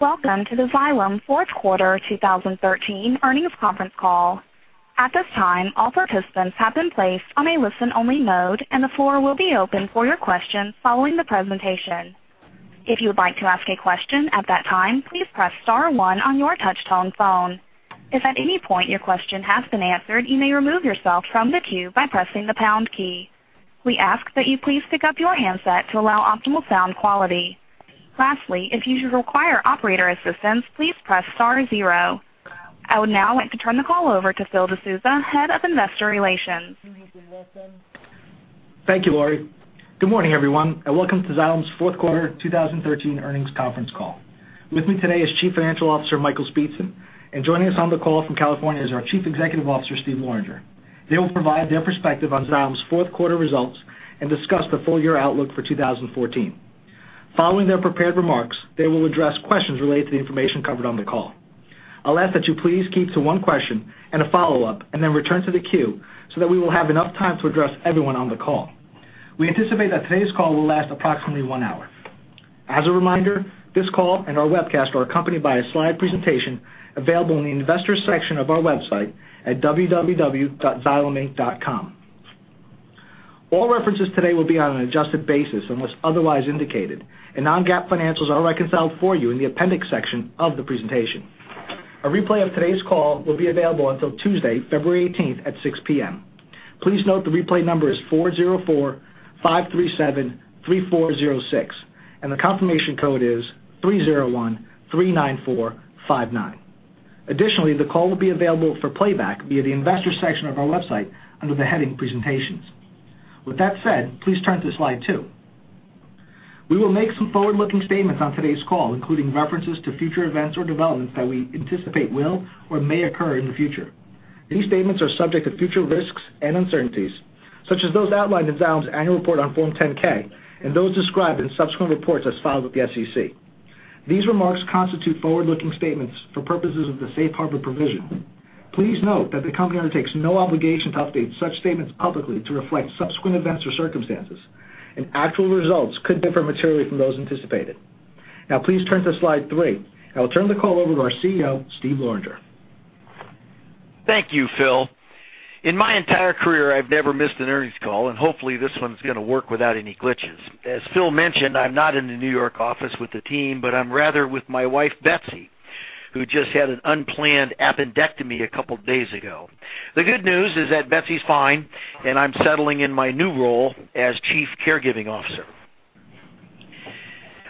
Welcome to the Xylem fourth quarter 2013 earnings conference call. At this time, all participants have been placed on a listen-only mode, and the floor will be open for your questions following the presentation. If you would like to ask a question at that time, please press star one on your touch-tone phone. If at any point your question has been answered, you may remove yourself from the queue by pressing the pound key. We ask that you please pick up your handset to allow optimal sound quality. Lastly, if you should require operator assistance, please press star zero. I would now like to turn the call over to Phil DeSousa, Head of Investor Relations. Thank you, Lori. Good morning, everyone, and welcome to Xylem's fourth quarter 2013 earnings conference call. With me today is Chief Financial Officer, Michael Speetzen, and joining us on the call from California is our Chief Executive Officer, Steven Loranger. They will provide their perspective on Xylem's fourth quarter results and discuss the full year outlook for 2014. Following their prepared remarks, they will address questions related to the information covered on the call. I will ask that you please keep to one question and a follow-up and then return to the queue so that we will have enough time to address everyone on the call. We anticipate that today's call will last approximately one hour. As a reminder, this call and our webcast are accompanied by a slide presentation available in the Investors section of our website at www.xyleminc.com. All references today will be on an adjusted basis unless otherwise indicated, and non-GAAP financials are reconciled for you in the appendix section of the presentation. A replay of today's call will be available until Tuesday, February 18th at 6:00 P.M. Please note the replay number is 404-537-3406, and the confirmation code is 30139459. Additionally, the call will be available for playback via the Investors section of our website under the heading Presentations. With that said, please turn to slide two. We will make some forward-looking statements on today's call, including references to future events or developments that we anticipate will or may occur in the future. These statements are subject to future risks and uncertainties, such as those outlined in Xylem's annual report on Form 10-K and those described in subsequent reports as filed with the SEC. These remarks constitute forward-looking statements for purposes of the safe harbor provision. Please note that the company undertakes no obligation to update such statements publicly to reflect subsequent events or circumstances, and actual results could differ materially from those anticipated. Now, please turn to slide three. I will turn the call over to our CEO, Steven Loranger. Thank you, Phil. In my entire career, I've never missed an earnings call, and hopefully, this one's gonna work without any glitches. As Phil mentioned, I'm not in the New York office with the team, but I'm rather with my wife, Betsy, who just had an unplanned appendectomy a couple of days ago. The good news is that Betsy's fine, and I'm settling in my new role as chief caregiving officer.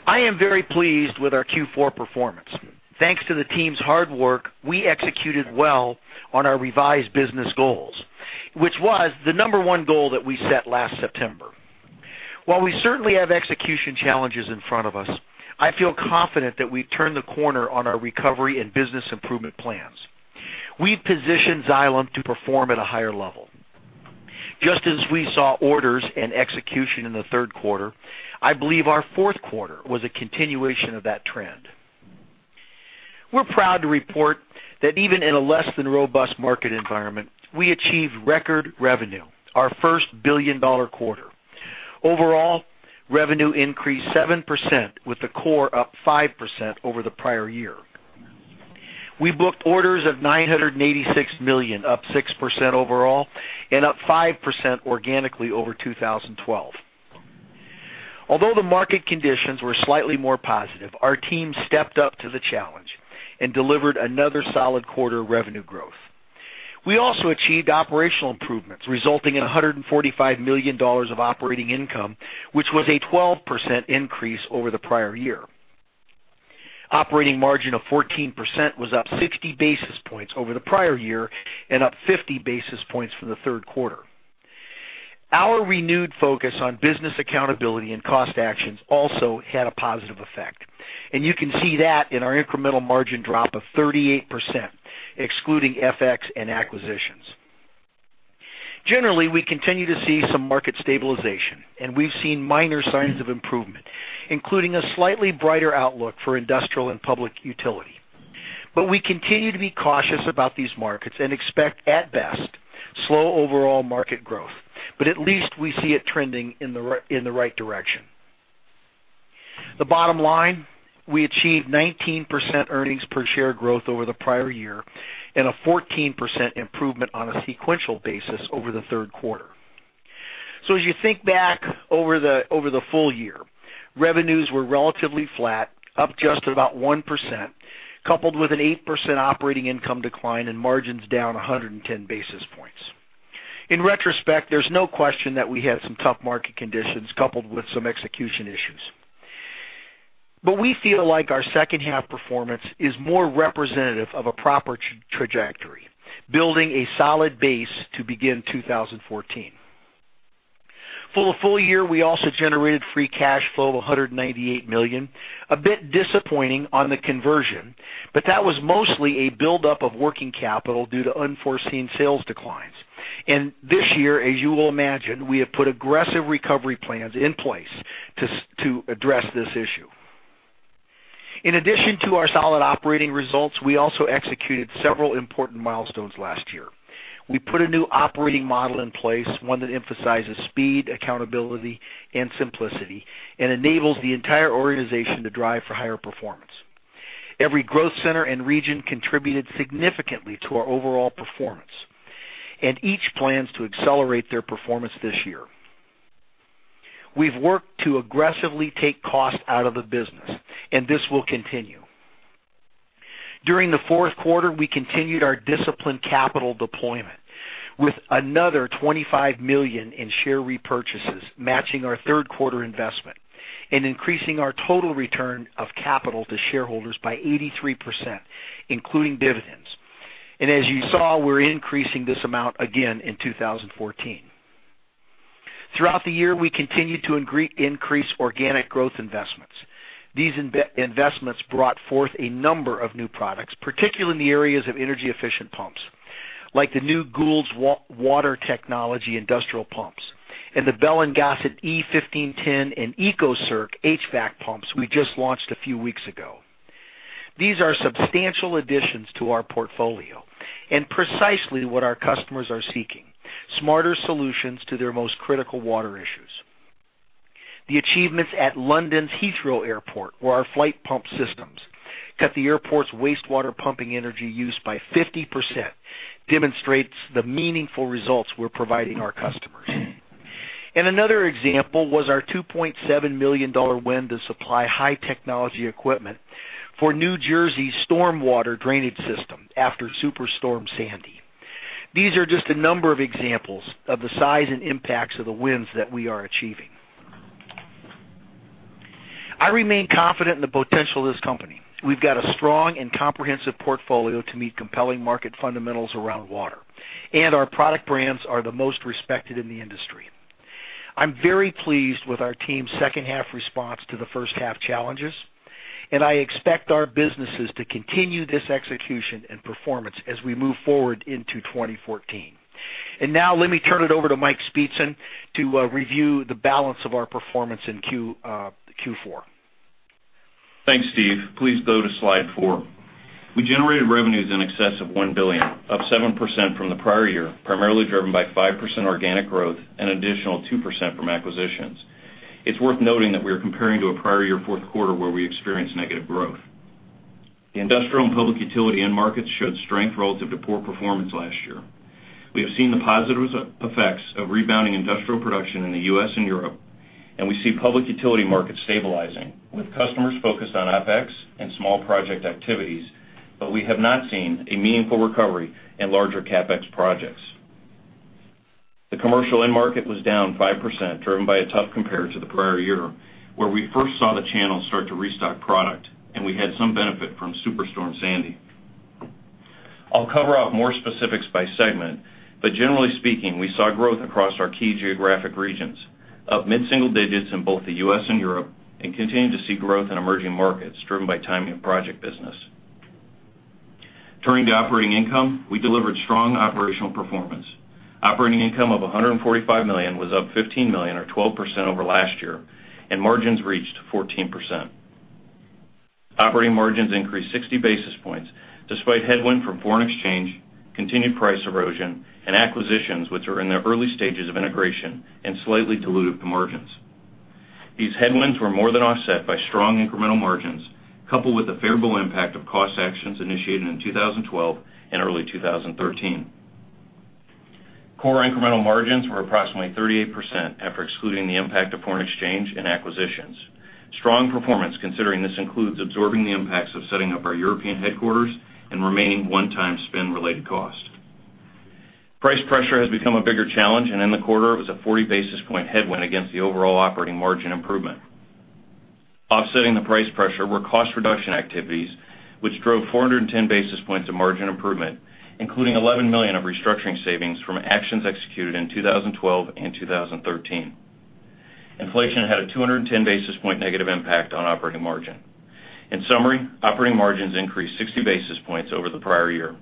I am very pleased with our Q4 performance. Thanks to the team's hard work, we executed well on our revised business goals, which was the number one goal that we set last September. While we certainly have execution challenges in front of us, I feel confident that we've turned the corner on our recovery and business improvement plans. We've positioned Xylem to perform at a higher level. Just as we saw orders and execution in the third quarter, I believe our fourth quarter was a continuation of that trend. We're proud to report that even in a less than robust market environment, we achieved record revenue, our first billion-dollar quarter. Overall, revenue increased 7% with the core up 5% over the prior year. We booked orders of $986 million, up 6% overall and up 5% organically over 2012. The market conditions were slightly more positive, our team stepped up to the challenge and delivered another solid quarter of revenue growth. We also achieved operational improvements, resulting in $145 million of operating income, which was a 12% increase over the prior year. Operating margin of 14% was up 60 basis points over the prior year and up 50 basis points from the third quarter. Our renewed focus on business accountability and cost actions also had a positive effect, and you can see that in our incremental margin drop of 38%, excluding FX and acquisitions. Generally, we continue to see some market stabilization, and we've seen minor signs of improvement, including a slightly brighter outlook for industrial and public utility. We continue to be cautious about these markets and expect, at best, slow overall market growth. At least we see it trending in the right direction. The bottom line, we achieved 19% earnings per share growth over the prior year and a 14% improvement on a sequential basis over the third quarter. As you think back over the full year, revenues were relatively flat, up just about 1%, coupled with an 8% operating income decline and margins down 110 basis points. In retrospect, there's no question that we had some tough market conditions coupled with some execution issues. We feel like our second half performance is more representative of a proper trajectory, building a solid base to begin 2014. For the full year, we also generated free cash flow of $198 million. A bit disappointing on the conversion, but that was mostly a buildup of working capital due to unforeseen sales declines. This year, as you will imagine, we have put aggressive recovery plans in place to address this issue. In addition to our solid operating results, we also executed several important milestones last year. We put a new operating model in place, one that emphasizes speed, accountability, and simplicity and enables the entire organization to drive for higher performance. Every growth center and region contributed significantly to our overall performance, and each plans to accelerate their performance this year. We've worked to aggressively take costs out of the business, this will continue. During the fourth quarter, we continued our disciplined capital deployment with another $25 million in share repurchases, matching our third quarter investment and increasing our total return of capital to shareholders by 83%, including dividends. As you saw, we're increasing this amount again in 2014. Throughout the year, we continued to increase organic growth investments. These investments brought forth a number of new products, particularly in the areas of energy-efficient pumps, like the new Goulds Water Technology industrial pumps and the Bell & Gossett e-1510 and ecocirc HVAC pumps we just launched a few weeks ago. These are substantial additions to our portfolio and precisely what our customers are seeking, smarter solutions to their most critical water issues. The achievements at London's Heathrow Airport, where our Flygt pump systems cut the airport's wastewater pumping energy use by 50%, demonstrates the meaningful results we're providing our customers. Another example was our $2.7 million win to supply high-technology equipment for New Jersey's stormwater drainage system after Superstorm Sandy. These are just a number of examples of the size and impacts of the wins that we are achieving. I remain confident in the potential of this company. We've got a strong and comprehensive portfolio to meet compelling market fundamentals around water, and our product brands are the most respected in the industry. I'm very pleased with our team's second half response to the first half challenges, and I expect our businesses to continue this execution and performance as we move forward into 2014. Now let me turn it over to Michael Speetzen to review the balance of our performance in Q4. Thanks, Steve. Please go to slide four. We generated revenues in excess of $1 billion, up 7% from the prior year, primarily driven by 5% organic growth, an additional 2% from acquisitions. It's worth noting that we are comparing to a prior year fourth quarter where we experienced negative growth. The industrial and public utility end markets showed strength relative to poor performance last year. We have seen the positive effects of rebounding industrial production in the U.S. and Europe, and we see public utility markets stabilizing, with customers focused on CapEx and small project activities. We have not seen a meaningful recovery in larger CapEx projects. The commercial end market was down 5%, driven by a tough compare to the prior year, where we first saw the channel start to restock product, and we had some benefit from Superstorm Sandy. I'll cover up more specifics by segment, but generally speaking, we saw growth across our key geographic regions, up mid-single digits in both the U.S. and Europe. Continue to see growth in emerging markets driven by timing of project business. Turning to operating income, we delivered strong operational performance. Operating income of $145 million was up $15 million or 12% over last year. Margins reached 14%. Operating margins increased 60 basis points despite headwind from foreign exchange, continued price erosion, and acquisitions which are in their early stages of integration and slightly dilutive to margins. These headwinds were more than offset by strong incremental margins, coupled with the favorable impact of cost actions initiated in 2012 and early 2013. Core incremental margins were approximately 38% after excluding the impact of foreign exchange and acquisitions. Strong performance, considering this includes absorbing the impacts of setting up our European headquarters and remaining one-time spend-related costs. Price pressure has become a bigger challenge. In the quarter, it was a 40-basis point headwind against the overall operating margin improvement. Offsetting the price pressure were cost reduction activities, which drove 410 basis points of margin improvement, including $11 million of restructuring savings from actions executed in 2012 and 2013. Inflation had a 210-basis point negative impact on operating margin. In summary, operating margins increased 60 basis points over the prior year.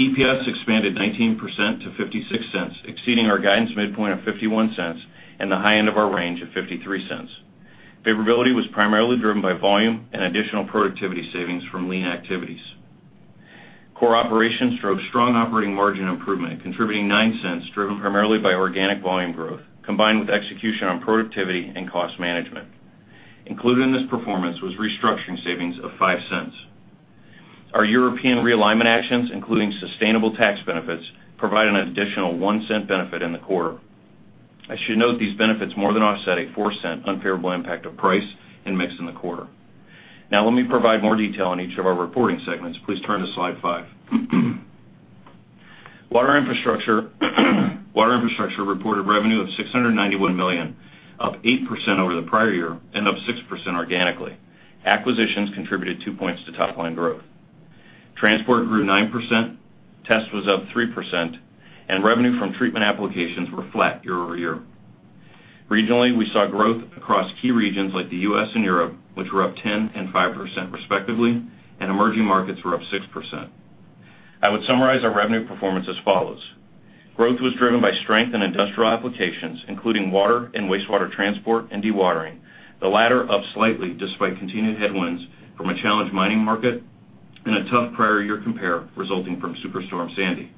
EPS expanded 19% to $0.56, exceeding our guidance midpoint of $0.51 and the high end of our range of $0.53. Favorability was primarily driven by volume and additional productivity savings from lean activities. Core operations drove strong operating margin improvement, contributing $0.09, driven primarily by organic volume growth, combined with execution on productivity and cost management. Included in this performance was restructuring savings of $0.05. Our European realignment actions, including sustainable tax benefits, provided an additional $0.01 benefit in the quarter. I should note these benefits more than offset a $0.04 unfavorable impact of price and mix in the quarter. Let me provide more detail on each of our reporting segments. Please turn to slide five. Water Infrastructure reported revenue of $691 million, up 8% over the prior year and up 6% organically. Acquisitions contributed two points to top-line growth. Transport grew 9%, Test was up 3%. Revenue from treatment applications were flat year-over-year. Regionally, we saw growth across key regions like the U.S. and Europe, which were up 10% and 5% respectively. Emerging markets were up 6%. I would summarize our revenue performance as follows. Growth was driven by strength in industrial applications, including water and wastewater transport and dewatering, the latter up slightly despite continued headwinds from a challenged mining market and a tough prior year compare resulting from Superstorm Sandy.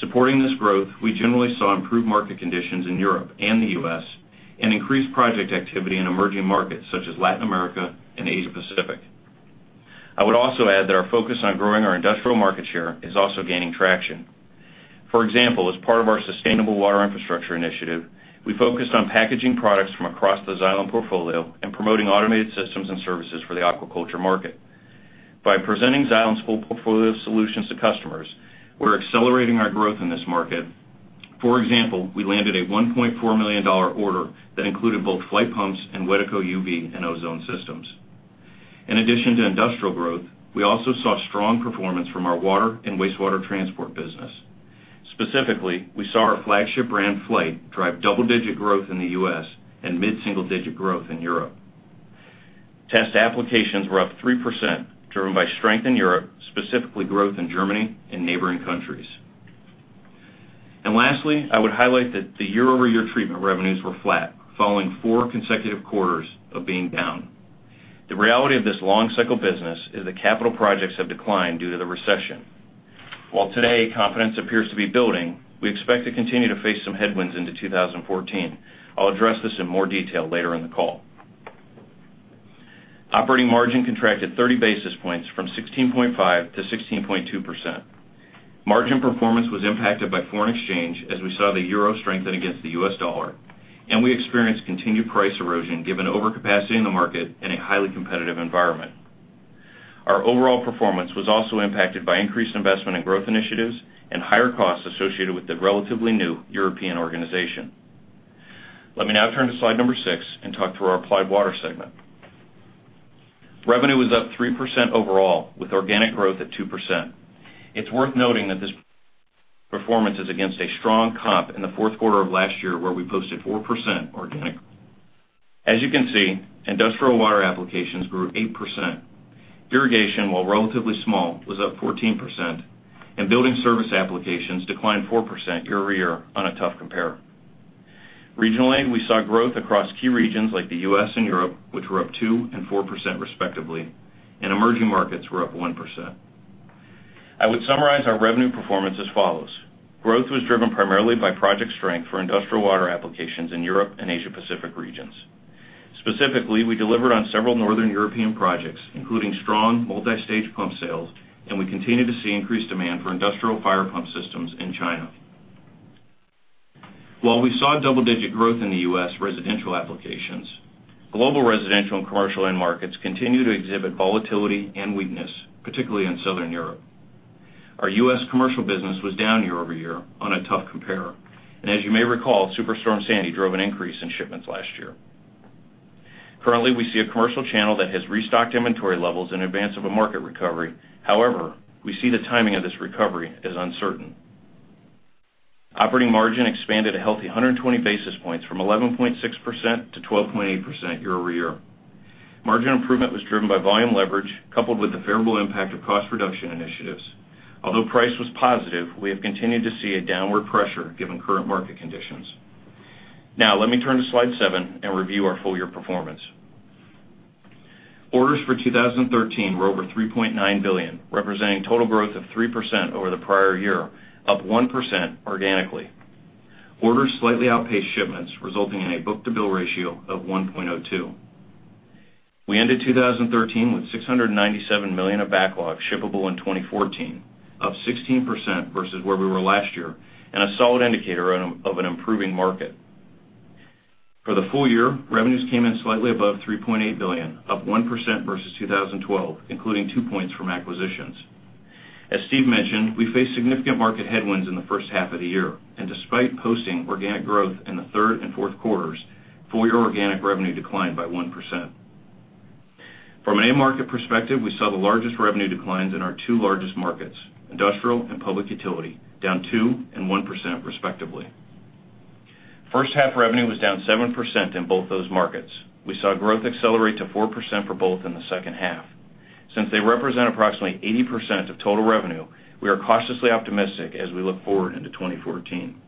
Supporting this growth, we generally saw improved market conditions in Europe and the U.S. Increased project activity in emerging markets such as Latin America and Asia-Pacific. Our focus on growing our industrial market share is also gaining traction. For example, as part of our Sustainable Water Infrastructure initiative, we focused on packaging products from across the Xylem portfolio and promoting automated systems and services for the aquaculture market. By presenting Xylem's full portfolio of solutions to customers, we're accelerating our growth in this market. For example, we landed a $1.4 million order that included both Flygt pumps and Wedeco UV and ozone systems. In addition to industrial growth, we also saw strong performance from our water and wastewater transport business. Specifically, we saw our flagship brand, Flygt, drive double-digit growth in the U.S. and mid-single-digit growth in Europe. Test applications were up 3%, driven by strength in Europe, specifically growth in Germany and neighboring countries. Lastly, I would highlight that the year-over-year treatment revenues were flat, following four consecutive quarters of being down. The reality of this long-cycle business is that capital projects have declined due to the recession. While today, confidence appears to be building, we expect to continue to face some headwinds into 2014. I'll address this in more detail later in the call. Operating margin contracted 30 basis points from 16.5% to 16.2%. Margin performance was impacted by foreign exchange as we saw the euro strengthen against the US dollar, and we experienced continued price erosion given overcapacity in the market and a highly competitive environment. Our overall performance was also impacted by increased investment in growth initiatives and higher costs associated with the relatively new European organization. Let me now turn to slide number six and talk through our Applied Water segment. Revenue was up 3% overall, with organic growth at 2%. It's worth noting that this performance is against a strong comp in the fourth quarter of last year, where we posted 4% organic. As you can see, industrial water applications grew 8%. Irrigation, while relatively small, was up 14%, and building service applications declined 4% year-over-year on a tough compare. Regionally, we saw growth across key regions like the U.S. and Europe, which were up 2% and 4% respectively, and emerging markets were up 1%. I would summarize our revenue performance as follows. Growth was driven primarily by project strength for industrial water applications in Europe and Asia-Pacific regions. Specifically, we delivered on several Northern European projects, including strong multi-stage pump sales, and we continue to see increased demand for industrial fire pump systems in China. While we saw double-digit growth in the U.S. residential applications, global residential and commercial end markets continue to exhibit volatility and weakness, particularly in Southern Europe. Our U.S. commercial business was down year-over-year on a tough compare. As you may recall, Superstorm Sandy drove an increase in shipments last year. Currently, we see a commercial channel that has restocked inventory levels in advance of a market recovery. However, we see the timing of this recovery as uncertain. Operating margin expanded a healthy 120 basis points from 11.6% to 12.8% year-over-year. Margin improvement was driven by volume leverage, coupled with the favorable impact of cost reduction initiatives. Although price was positive, we have continued to see a downward pressure given current market conditions. Let me turn to slide seven and review our full-year performance. Orders for 2013 were over $3.9 billion, representing total growth of 3% over the prior year, up 1% organically. Orders slightly outpaced shipments, resulting in a book-to-bill ratio of 1.02. We ended 2013 with $697 million of backlog shippable in 2014, up 16% versus where we were last year, and a solid indicator of an improving market. For the full year, revenues came in slightly above $3.8 billion, up 1% versus 2012, including two points from acquisitions. As Steve mentioned, we faced significant market headwinds in the first half of the year, and despite posting organic growth in the third and fourth quarters, full-year organic revenue declined by 1%. From an end market perspective, we saw the largest revenue declines in our two largest markets, industrial and public utility, down 2% and 1% respectively. First half revenue was down 7% in both those markets. We saw growth accelerate to 4% for both in the second half. Since they represent approximately 80% of total revenue, we are cautiously optimistic as we look forward into 2014.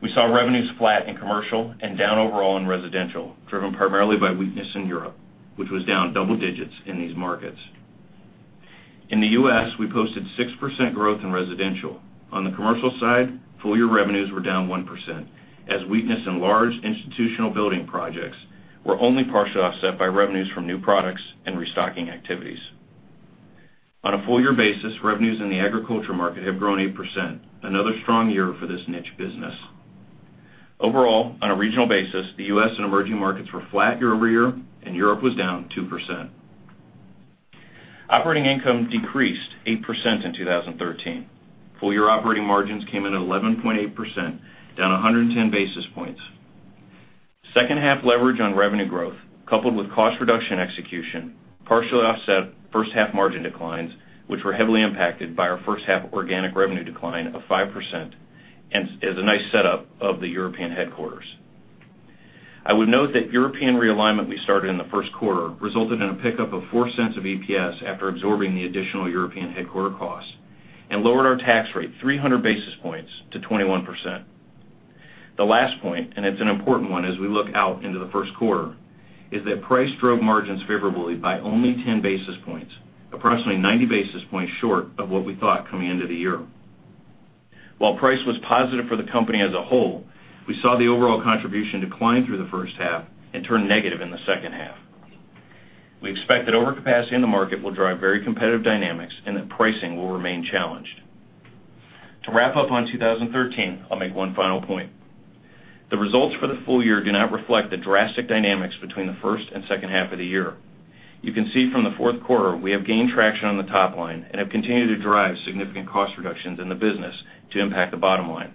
We saw revenues flat in commercial and down overall in residential, driven primarily by weakness in Europe, which was down double digits in these markets. In the U.S., we posted 6% growth in residential. On the commercial side, full-year revenues were down 1% as weakness in large institutional building projects were only partially offset by revenues from new products and restocking activities. On a full-year basis, revenues in the agriculture market have grown 8%, another strong year for this niche business. Overall, on a regional basis, the U.S. and emerging markets were flat year-over-year, and Europe was down 2%. Operating income decreased 8% in 2013. Full-year operating margins came in at 11.8%, down 110 basis points. Second half leverage on revenue growth, coupled with cost reduction execution, partially offset first half margin declines, which were heavily impacted by our first half organic revenue decline of 5% and is a nice setup of the European headquarters. I would note that European realignment we started in the first quarter resulted in a pickup of $0.04 of EPS after absorbing the additional European headquarter costs and lowered our tax rate 300 basis points to 21%. The last point, it's an important one as we look out into the first quarter, is that price drove margins favorably by only 10 basis points, approximately 90 basis points short of what we thought coming into the year. While price was positive for the company as a whole, we saw the overall contribution decline through the first half and turn negative in the second half. We expect that overcapacity in the market will drive very competitive dynamics and that pricing will remain challenged. To wrap up on 2013, I'll make one final point. The results for the full year do not reflect the drastic dynamics between the first and second half of the year. You can see from the fourth quarter we have gained traction on the top line and have continued to drive significant cost reductions in the business to impact the bottom line.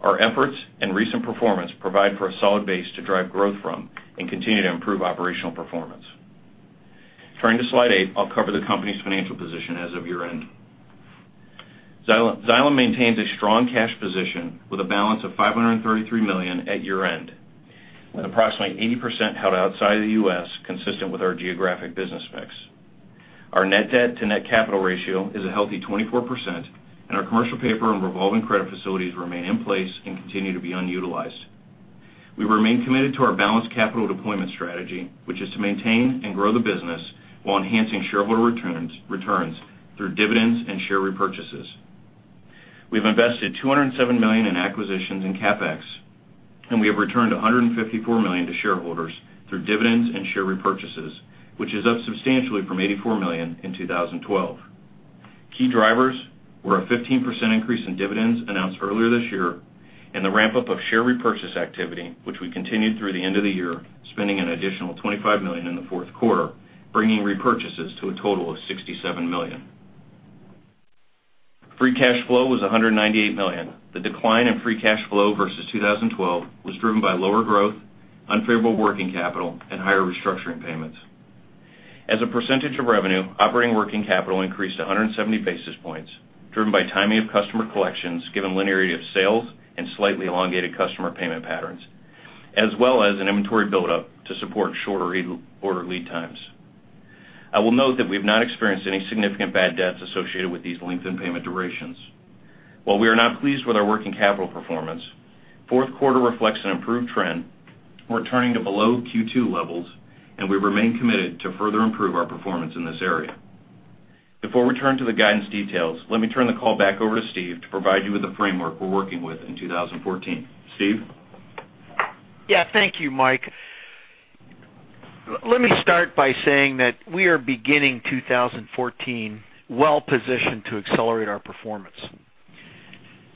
Our efforts and recent performance provide for a solid base to drive growth from and continue to improve operational performance. Turning to slide eight, I'll cover the company's financial position as of year-end. Xylem maintains a strong cash position with a balance of $533 million at year-end, with approximately 80% held outside the U.S., consistent with our geographic business mix. Our net debt to net capital ratio is a healthy 24%, our commercial paper and revolving credit facilities remain in place and continue to be unutilized. We remain committed to our balanced capital deployment strategy, which is to maintain and grow the business while enhancing shareholder returns through dividends and share repurchases. We've invested $207 million in acquisitions and CapEx, and we have returned $154 million to shareholders through dividends and share repurchases, which is up substantially from $84 million in 2012. Key drivers were a 15% increase in dividends announced earlier this year and the ramp-up of share repurchase activity, which we continued through the end of the year, spending an additional $25 million in the fourth quarter, bringing repurchases to a total of $67 million. Free cash flow was $198 million. The decline in free cash flow versus 2012 was driven by lower growth, unfavorable working capital, and higher restructuring payments. As a percentage of revenue, operating working capital increased 170 basis points, driven by timing of customer collections, given linearity of sales and slightly elongated customer payment patterns, as well as an inventory buildup to support shorter order lead times. I will note that we've not experienced any significant bad debts associated with these lengthened payment durations. While we are not pleased with our working capital performance, fourth quarter reflects an improved trend, returning to below Q2 levels, and we remain committed to further improve our performance in this area. Before we turn to the guidance details, let me turn the call back over to Steve to provide you with the framework we're working with in 2014. Steve? Yeah. Thank you, Mike. Let me start by saying that we are beginning 2014 well-positioned to accelerate our performance.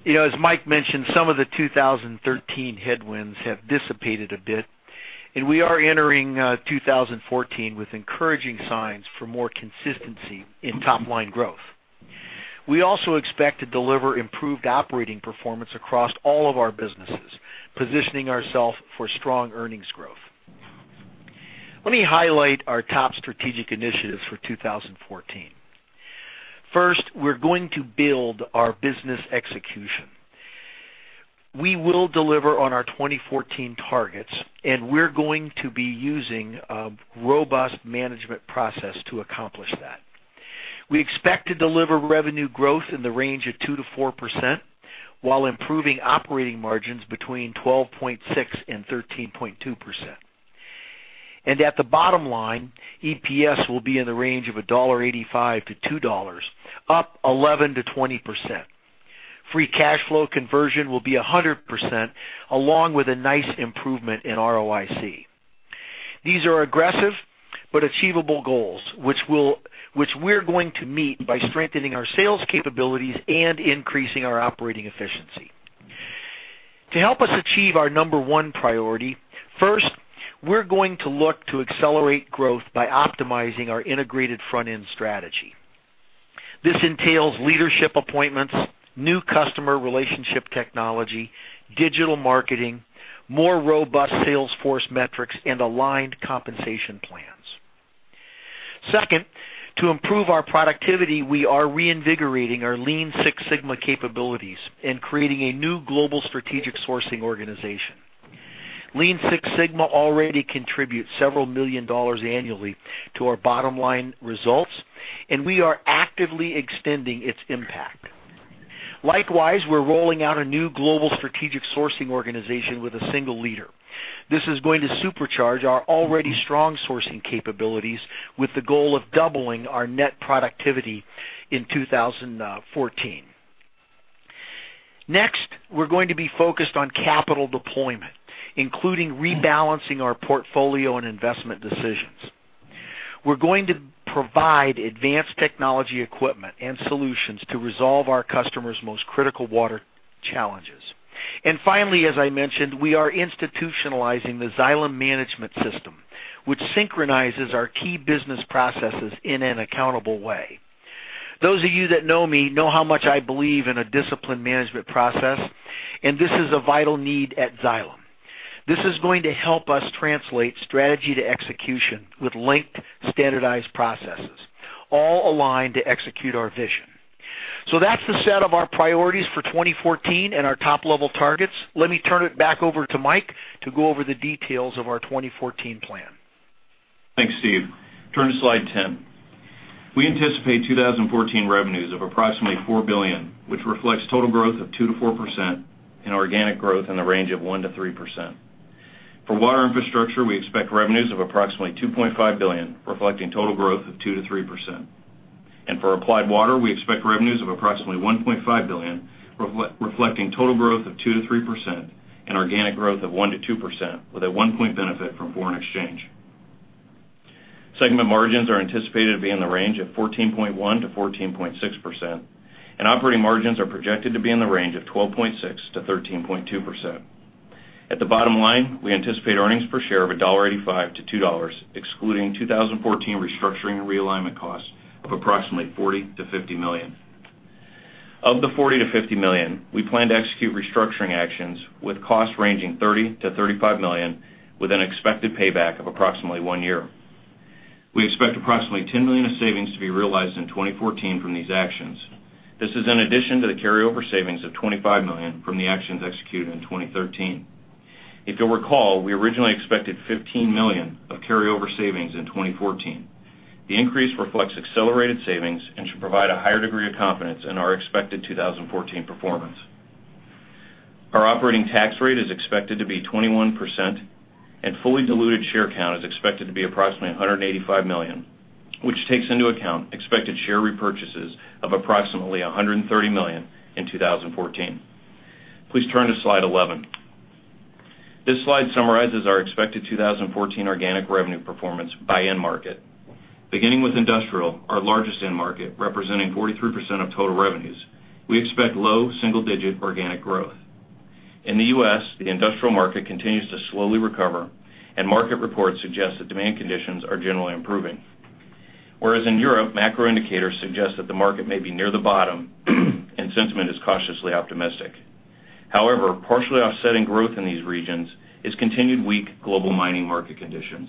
As Mike mentioned, some of the 2013 headwinds have dissipated a bit, and we are entering 2014 with encouraging signs for more consistency in top-line growth. We also expect to deliver improved operating performance across all of our businesses, positioning ourselves for strong earnings growth. Let me highlight our top strategic initiatives for 2014. First, we're going to build our business execution. We will deliver on our 2014 targets, and we're going to be using a robust management process to accomplish that. We expect to deliver revenue growth in the range of 2% to 4% while improving operating margins between 12.6% and 13.2%. At the bottom line, EPS will be in the range of $1.85 to $2, up 11% to 20%. Free cash flow conversion will be 100%, along with a nice improvement in ROIC. These are aggressive but achievable goals, which we're going to meet by strengthening our sales capabilities and increasing our operating efficiency. To help us achieve our number 1 priority, first, we're going to look to accelerate growth by optimizing our integrated front-end strategy. This entails leadership appointments, new customer relationship technology, digital marketing, more robust sales force metrics, and aligned compensation plans. Second, to improve our productivity, we are reinvigorating our Lean Six Sigma capabilities and creating a new global strategic sourcing organization. Lean Six Sigma already contributes several million dollars annually to our bottom-line results. We are actively extending its impact. Likewise, we're rolling out a new global strategic sourcing organization with a single leader. This is going to supercharge our already strong sourcing capabilities with the goal of doubling our net productivity in 2014. Next, we're going to be focused on capital deployment, including rebalancing our portfolio and investment decisions. We're going to provide advanced technology equipment and solutions to resolve our customers' most critical water challenges. Finally, as I mentioned, we are institutionalizing the Xylem Management System, which synchronizes our key business processes in an accountable way. Those of you that know me know how much I believe in a disciplined management process, and this is a vital need at Xylem. This is going to help us translate strategy to execution with linked, standardized processes, all aligned to execute our vision. That's the set of our priorities for 2014 and our top-level targets. Let me turn it back over to Mike to go over the details of our 2014 plan. Thanks, Steve. Turn to slide 10. We anticipate 2014 revenues of approximately $4 billion, which reflects total growth of 2%-4% and organic growth in the range of 1%-3%. For Water Infrastructure, we expect revenues of approximately $2.5 billion, reflecting total growth of 2%-3%. For Applied Water, we expect revenues of approximately $1.5 billion, reflecting total growth of 2%-3% and organic growth of 1%-2% with a one point benefit from foreign exchange. Segment margins are anticipated to be in the range of 14.1%-14.6%, and operating margins are projected to be in the range of 12.6%-13.2%. At the bottom line, we anticipate earnings per share of $1.85-$2, excluding 2014 restructuring and realignment costs of approximately $40 million-$50 million. Of the $40 million-$50 million, we plan to execute restructuring actions with costs ranging $30 million-$35 million with an expected payback of approximately one year. We expect approximately $10 million of savings to be realized in 2014 from these actions. This is in addition to the carryover savings of $25 million from the actions executed in 2013. If you'll recall, we originally expected $15 million of carryover savings in 2014. The increase reflects accelerated savings and should provide a higher degree of confidence in our expected 2014 performance. Our operating tax rate is expected to be 21%, and fully diluted share count is expected to be approximately 185 million, which takes into account expected share repurchases of approximately $130 million in 2014. Please turn to slide 11. This slide summarizes our expected 2014 organic revenue performance by end market. Beginning with industrial, our largest end market, representing 43% of total revenues, we expect low single-digit organic growth. In the U.S., the industrial market continues to slowly recover, and market reports suggest that demand conditions are generally improving. Whereas in Europe, macro indicators suggest that the market may be near the bottom and sentiment is cautiously optimistic. However, partially offsetting growth in these regions is continued weak global mining market conditions.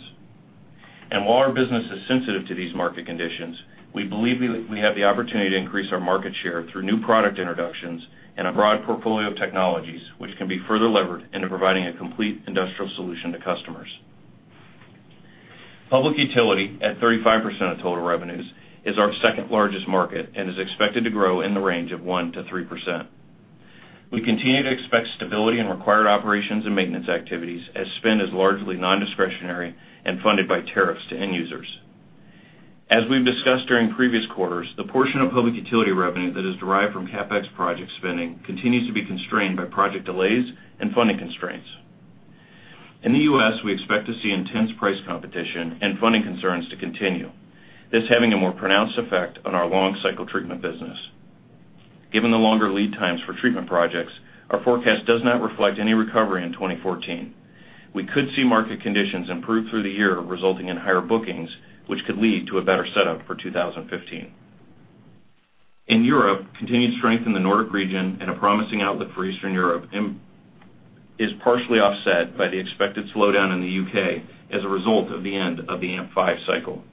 While our business is sensitive to these market conditions, we believe we have the opportunity to increase our market share through new product introductions and a broad portfolio of technologies, which can be further levered into providing a complete industrial solution to customers. Public utility, at 35% of total revenues, is our second-largest market and is expected to grow in the range of 1%-3%. We continue to expect stability in required operations and maintenance activities as spend is largely non-discretionary and funded by tariffs to end users. As we've discussed during previous quarters, the portion of public utility revenue that is derived from CapEx project spending continues to be constrained by project delays and funding constraints. In the U.S., we expect to see intense price competition and funding concerns to continue, this having a more pronounced effect on our long cycle treatment business. Given the longer lead times for treatment projects, our forecast does not reflect any recovery in 2014. We could see market conditions improve through the year, resulting in higher bookings, which could lead to a better setup for 2015. In Europe, continued strength in the Nordic region and a promising outlook for Eastern Europe is partially offset by the expected slowdown in the U.K. as a result of the end of the AMP5 cycle.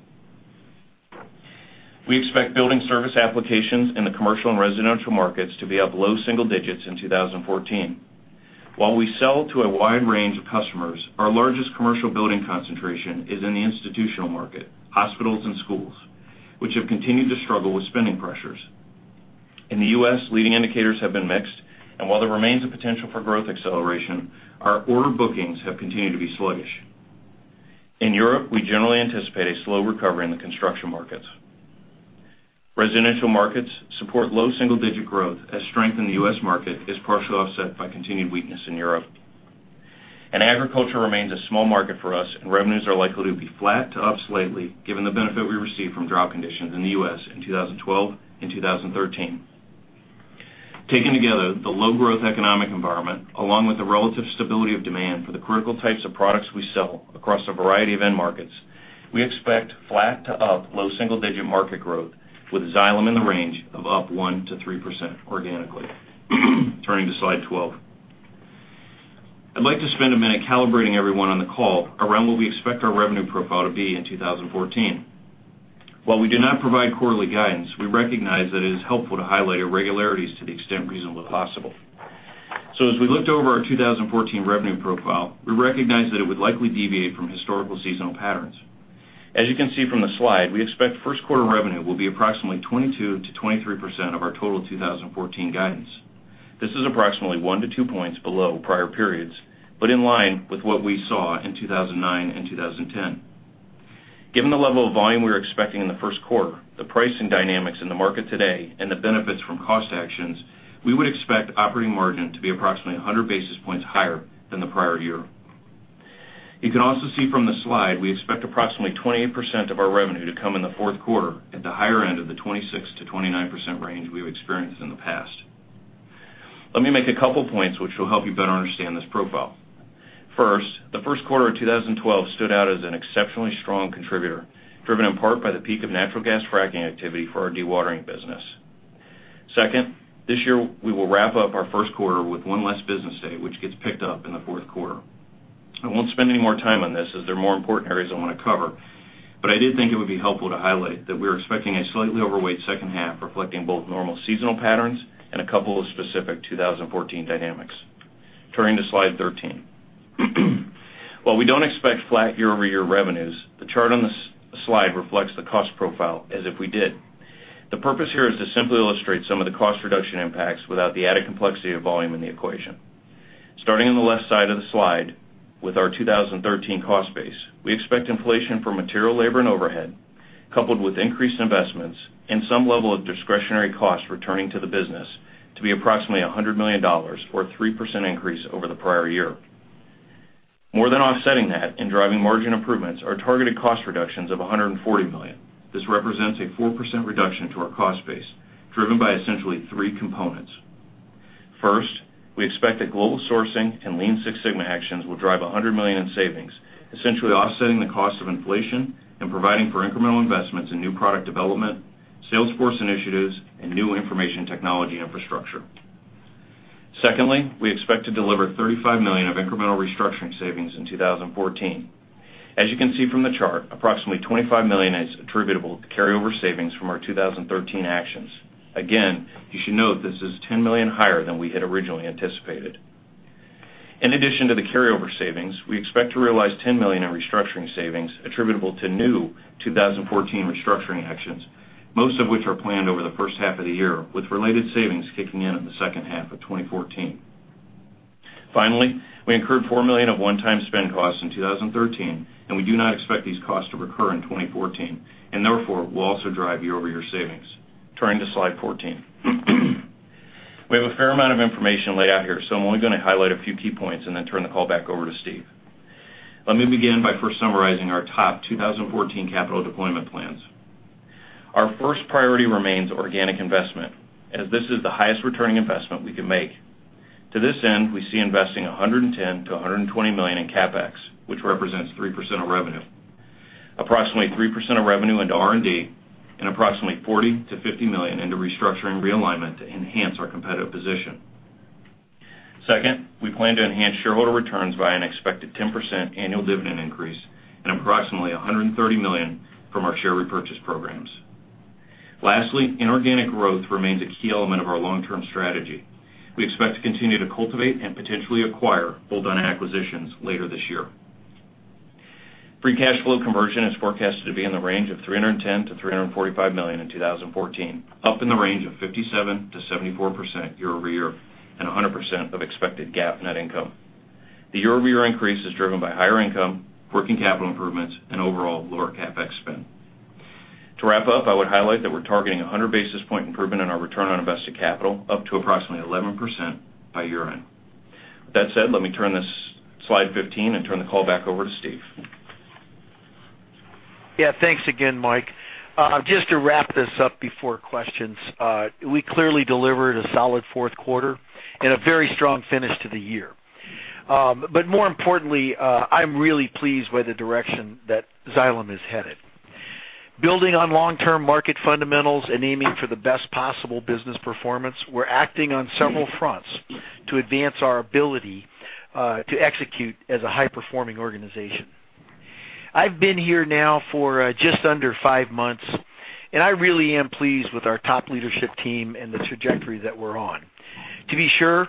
We expect building service applications in the commercial and residential markets to be up low single digits in 2014. While we sell to a wide range of customers, our largest commercial building concentration is in the institutional market, hospitals, and schools, which have continued to struggle with spending pressures. In the U.S., leading indicators have been mixed, while there remains a potential for growth acceleration, our order bookings have continued to be sluggish. In Europe, we generally anticipate a slow recovery in the construction markets. Residential markets support low single-digit growth as strength in the U.S. market is partially offset by continued weakness in Europe. Agriculture remains a small market for us, revenues are likely to be flat to up slightly, given the benefit we received from drought conditions in the U.S. in 2012 and 2013. Taken together, the low growth economic environment, along with the relative stability of demand for the critical types of products we sell across a variety of end markets, we expect flat to up low single-digit market growth with Xylem in the range of up 1% to 3% organically. Turning to slide 12. I'd like to spend a minute calibrating everyone on the call around what we expect our revenue profile to be in 2014. While we do not provide quarterly guidance, we recognize that it is helpful to highlight irregularities to the extent reasonably possible. As we looked over our 2014 revenue profile, we recognized that it would likely deviate from historical seasonal patterns. As you can see from the slide, we expect first quarter revenue will be approximately 22%-23% of our total 2014 guidance. This is approximately one to two points below prior periods, but in line with what we saw in 2009 and 2010. Given the level of volume we are expecting in the first quarter, the pricing dynamics in the market today, and the benefits from cost actions, we would expect operating margin to be approximately 100 basis points higher than the prior year. You can also see from the slide, we expect approximately 28% of our revenue to come in the fourth quarter at the higher end of the 26%-29% range we've experienced in the past. Let me make a couple points which will help you better understand this profile. First, the first quarter of 2012 stood out as an exceptionally strong contributor, driven in part by the peak of natural gas fracking activity for our dewatering business. Second, this year, we will wrap up our first quarter with one less business day, which gets picked up in the fourth quarter. I won't spend any more time on this, as there are more important areas I want to cover, but I did think it would be helpful to highlight that we're expecting a slightly overweight second half, reflecting both normal seasonal patterns and a couple of specific 2014 dynamics. Turning to slide 13. While we don't expect flat year-over-year revenues, the chart on the slide reflects the cost profile as if we did. The purpose here is to simply illustrate some of the cost reduction impacts without the added complexity of volume in the equation. Starting on the left side of the slide, with our 2013 cost base, we expect inflation for material labor and overhead, coupled with increased investments and some level of discretionary costs returning to the business to be approximately $100 million, or a 3% increase over the prior year. More than offsetting that and driving margin improvements are targeted cost reductions of $140 million. This represents a 4% reduction to our cost base, driven by essentially three components. First, we expect that global sourcing and Lean Six Sigma actions will drive $100 million in savings, essentially offsetting the cost of inflation and providing for incremental investments in new product development, sales force initiatives, and new information technology infrastructure. Secondly, we expect to deliver $35 million of incremental restructuring savings in 2014. As you can see from the chart, approximately $25 million is attributable to carryover savings from our 2013 actions. Again, you should note this is $10 million higher than we had originally anticipated. In addition to the carryover savings, we expect to realize $10 million in restructuring savings attributable to new 2014 restructuring actions, most of which are planned over the first half of the year, with related savings kicking in in the second half of 2014. Finally, we incurred $4 million of one-time spend costs in 2013, and we do not expect these costs to recur in 2014, and therefore, will also drive year-over-year savings. Turning to slide 14. We have a fair amount of information laid out here, so I'm only going to highlight a few key points and then turn the call back over to Steve. Let me begin by first summarizing our top 2014 capital deployment plans. Our first priority remains organic investment, as this is the highest returning investment we can make. To this end, we see investing $110 million-$120 million in CapEx, which represents 3% of revenue. Approximately 3% of revenue into R&D and approximately $40 million-$50 million into restructuring realignment to enhance our competitive position. Second, we plan to enhance shareholder returns by an expected 10% annual dividend increase and approximately $130 million from our share repurchase programs. Lastly, inorganic growth remains a key element of our long-term strategy. We expect to continue to cultivate and potentially acquire hold-on acquisitions later this year. Free cash flow conversion is forecasted to be in the range of $310 million-$345 million in 2014, up in the range of 57%-74% year-over-year, and 100% of expected GAAP net income. The year-over-year increase is driven by higher income, working capital improvements, and overall lower CapEx spend. To wrap up, I would highlight that we're targeting 100 basis point improvement in our return on invested capital, up to approximately 11% by year-end. With that said, let me turn this, slide 15, and turn the call back over to Steve. Thanks again, Mike. Just to wrap this up before questions, we clearly delivered a solid fourth quarter and a very strong finish to the year. More importantly, I'm really pleased with the direction that Xylem is headed. Building on long-term market fundamentals and aiming for the best possible business performance, we're acting on several fronts to advance our ability to execute as a high-performing organization. I've been here now for just under five months, and I really am pleased with our top leadership team and the trajectory that we're on. To be sure,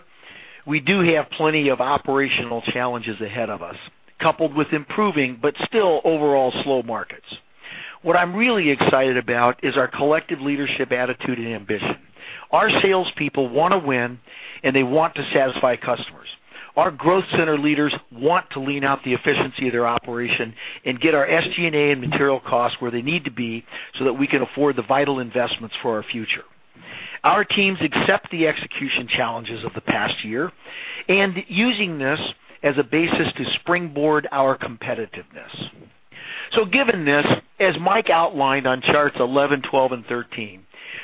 we do have plenty of operational challenges ahead of us, coupled with improving, but still overall slow markets. What I'm really excited about is our collective leadership attitude and ambition. Our salespeople want to win, and they want to satisfy customers. Our growth center leaders want to lean out the efficiency of their operation and get our SG&A and material costs where they need to be, that we can afford the vital investments for our future. Our teams accept the execution challenges of the past year and using this as a basis to springboard our competitiveness. Given this, as Mike outlined on charts 11, 12, and 13,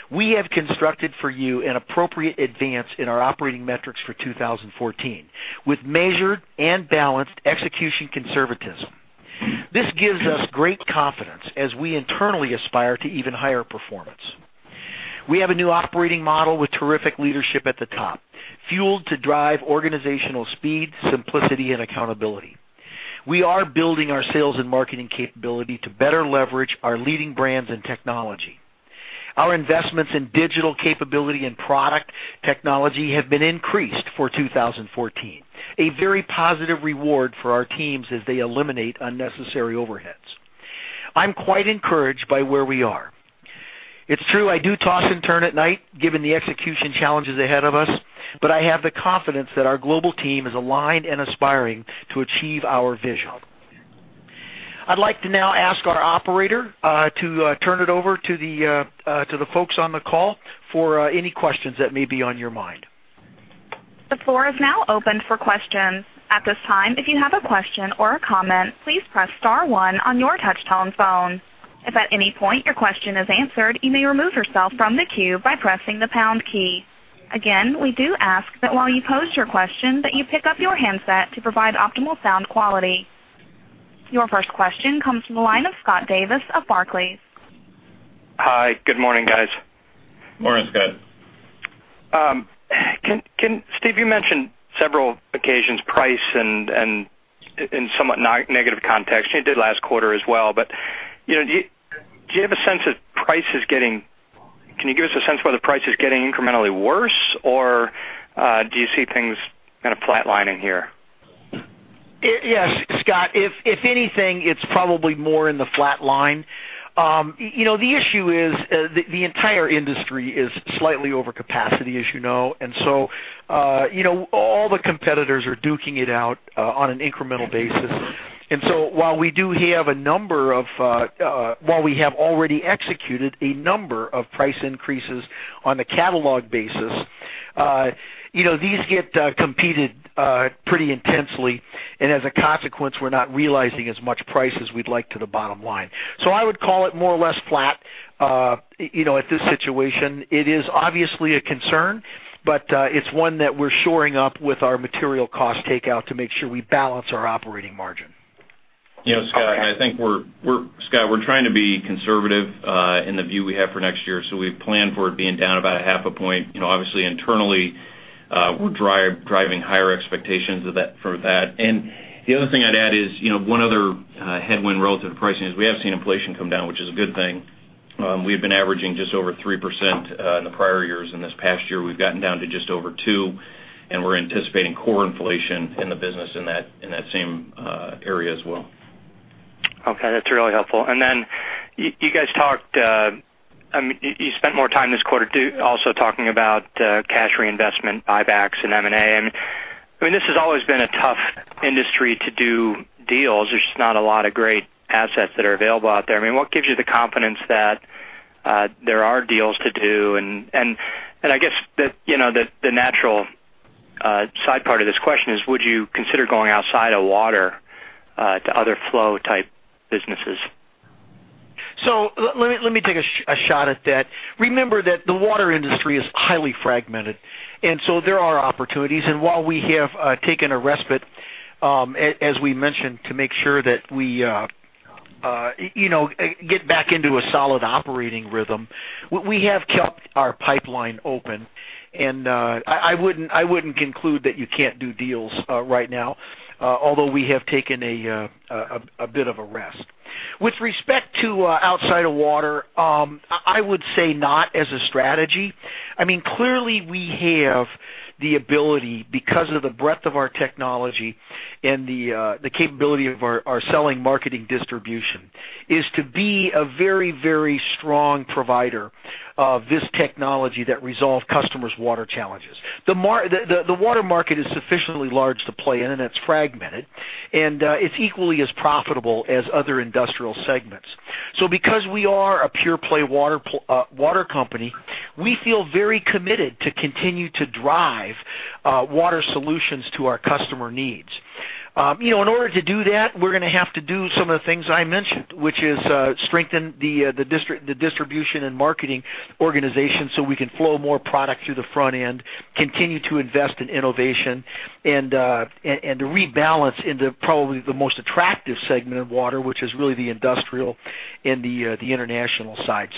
we have constructed for you an appropriate advance in our operating metrics for 2014 with measured and balanced execution conservatism. This gives us great confidence as we internally aspire to even higher performance. We have a new operating model with terrific leadership at the top, fueled to drive organizational speed, simplicity, and accountability. We are building our sales and marketing capability to better leverage our leading brands and technology. Our investments in digital capability and product technology have been increased for 2014, a very positive reward for our teams as they eliminate unnecessary overheads. I'm quite encouraged by where we are. It's true, I do toss and turn at night, given the execution challenges ahead of us, I have the confidence that our global team is aligned and aspiring to achieve our vision. I'd like to now ask our operator to turn it over to the folks on the call for any questions that may be on your mind. The floor is now open for questions. At this time, if you have a question or a comment, please press star one on your touchtone phone. If at any point your question is answered, you may remove yourself from the queue by pressing the pound key. Again, we do ask that while you pose your question, that you pick up your handset to provide optimal sound quality. Your first question comes from the line of Scott Davis of Barclays. Hi, good morning, guys. Morning, Scott. Steve, you mentioned several occasions price in somewhat negative context. You did last quarter as well, but Can you give us a sense whether price is getting incrementally worse, or do you see things kind of flat lining here? Yes, Scott, if anything, it's probably more in the flat line. The issue is the entire industry is slightly over capacity, as you know. All the competitors are duking it out on an incremental basis. While we have already executed a number of price increases on a catalog basis, these get competed pretty intensely, and as a consequence, we're not realizing as much price as we'd like to the bottom line. I would call it more or less flat at this situation. It is obviously a concern, but it's one that we're shoring up with our material cost takeout to make sure we balance our operating margin. Scott, we're trying to be conservative in the view we have for next year. We plan for it being down about a half a point. Obviously internally, we're driving higher expectations for that. The other thing I'd add is, one other headwind relative to pricing is we have seen inflation come down, which is a good thing. We have been averaging just over 3% in the prior years. In this past year, we've gotten down to just over two, and we're anticipating core inflation in the business in that same area as well. Okay. That's really helpful. Then you guys talked, you spent more time this quarter, too, also talking about cash reinvestment, buybacks, and M&A. This has always been a tough industry to do deals. There's just not a lot of great assets that are available out there. What gives you the confidence that there are deals to do? I guess the natural side part of this question is, would you consider going outside of water to other flow type businesses? Let me take a shot at that. Remember that the water industry is highly fragmented, so there are opportunities. While we have taken a respite, as we mentioned, to make sure that we get back into a solid operating rhythm, we have kept our pipeline open, I wouldn't conclude that you can't do deals right now. Although we have taken a bit of a rest. With respect to outside of water, I would say not as a strategy. Clearly, we have the ability, because of the breadth of our technology and the capability of our selling marketing distribution, is to be a very, very strong provider of this technology that resolve customers' water challenges. The water market is sufficiently large to play in, it's fragmented, and it's equally as profitable as other industrial segments. Because we are a pure play water company, we feel very committed to continue to drive water solutions to our customer needs. In order to do that, we're going to have to do some of the things I mentioned, which is strengthen the distribution and marketing organization so we can flow more product through the front end, continue to invest in innovation, and to rebalance into probably the most attractive segment of water, which is really the industrial and the international side.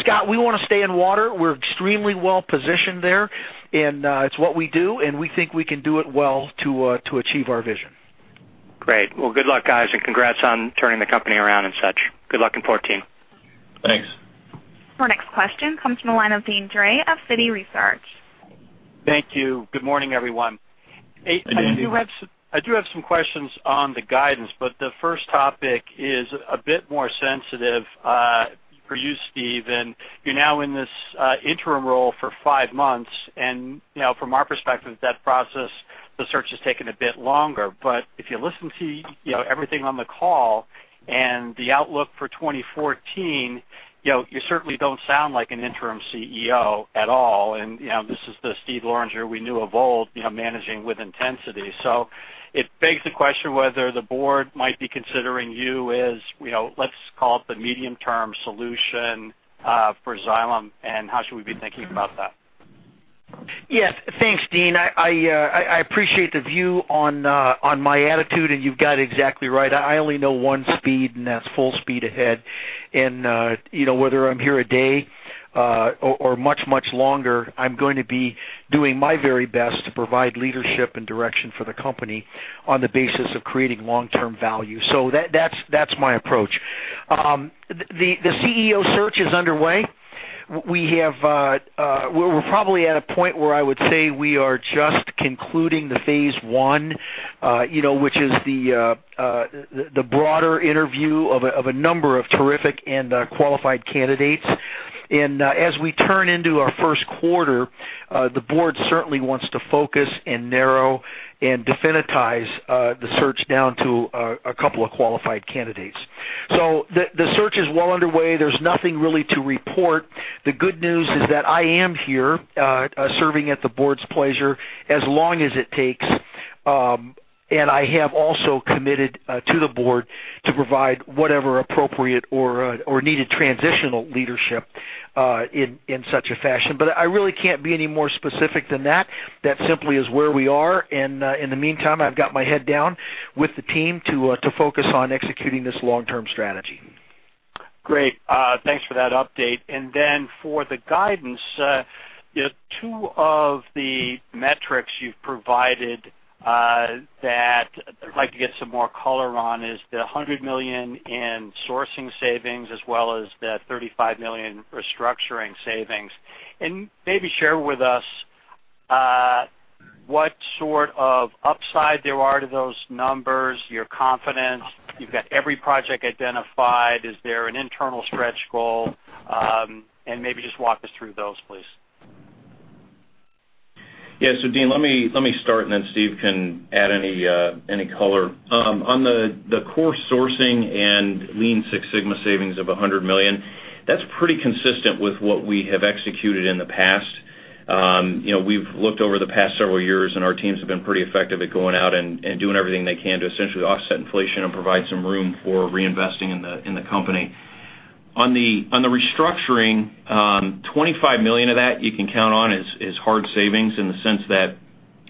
Scott, we want to stay in water. We're extremely well positioned there, and it's what we do, and we think we can do it well to achieve our vision. Great. Good luck, guys, and congrats on turning the company around and such. Good luck in 2014. Thanks. Our next question comes from the line of Deane Dray of Citi Research. Thank you. Good morning, everyone. Good morning. I do have some questions on the guidance, but the first topic is a bit more sensitive for you, Steve. You're now in this interim role for five months. From our perspective, that process, the search has taken a bit longer, but if you listen to everything on the call and the outlook for 2014, you certainly don't sound like an interim CEO at all. This is the Steven Loranger we knew of old, managing with intensity. It begs the question whether the board might be considering you as, let's call it the medium term solution for Xylem, and how should we be thinking about that? Yes. Thanks, Deane. I appreciate the view on my attitude, and you've got it exactly right. I only know one speed, and that's full speed ahead. Whether I'm here a day or much, much longer, I'm going to be doing my very best to provide leadership and direction for the company on the basis of creating long-term value. That's my approach. The CEO search is underway. We're probably at a point where I would say we are just concluding the phase one, which is the broader interview of a number of terrific and qualified candidates. As we turn into our first quarter, the board certainly wants to focus and narrow and definitize the search down to a couple of qualified candidates. The search is well underway. There's nothing really to report. The good news is that I am here, serving at the board's pleasure as long as it takes. I have also committed to the board to provide whatever appropriate or needed transitional leadership in such a fashion. I really can't be any more specific than that. That simply is where we are. In the meantime, I've got my head down with the team to focus on executing this long-term strategy. Great. Thanks for that update. For the guidance, two of the metrics you've provided that I'd like to get some more color on is the $100 million in sourcing savings as well as the $35 million restructuring savings. Maybe share with us what sort of upside there are to those numbers, your confidence. You've got every project identified. Is there an internal stretch goal? Maybe just walk us through those, please. Yeah. Deane, let me start, then Steven can add any color. On the core sourcing and Lean Six Sigma savings of $100 million, that is pretty consistent with what we have executed in the past. We've looked over the past several years, our teams have been pretty effective at going out and doing everything they can to essentially offset inflation and provide some room for reinvesting in the company. On the restructuring, $25 million of that you can count on is hard savings in the sense that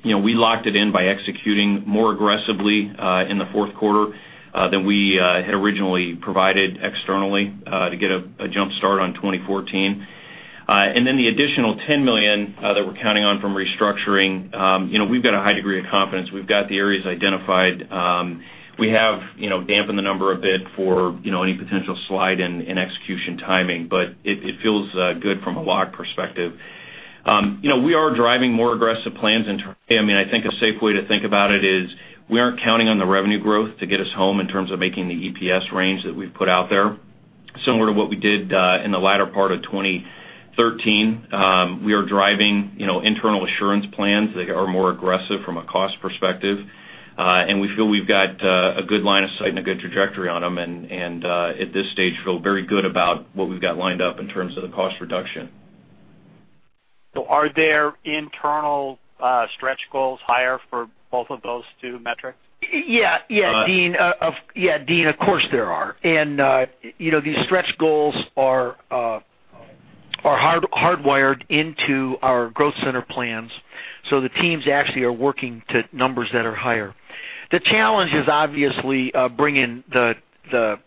we locked it in by executing more aggressively in the fourth quarter than we had originally provided externally to get a jump start on 2014. The additional $10 million that we are counting on from restructuring, we've got a high degree of confidence. We've got the areas identified. We have dampened the number a bit for any potential slide in execution timing, it feels good from a lock perspective. We are driving more aggressive plans. I think a safe way to think about it is we are not counting on the revenue growth to get us home in terms of making the EPS range that we've put out there, similar to what we did in the latter part of 2013. We are driving internal assurance plans. They are more aggressive from a cost perspective. We feel we've got a good line of sight and a good trajectory on them, and at this stage, feel very good about what we've got lined up in terms of the cost reduction. Are there internal stretch goals higher for both of those two metrics? Yeah, Deane, of course there are. These stretch goals are hardwired into our growth center plans, the teams actually are working to numbers that are higher. The challenge is obviously bringing the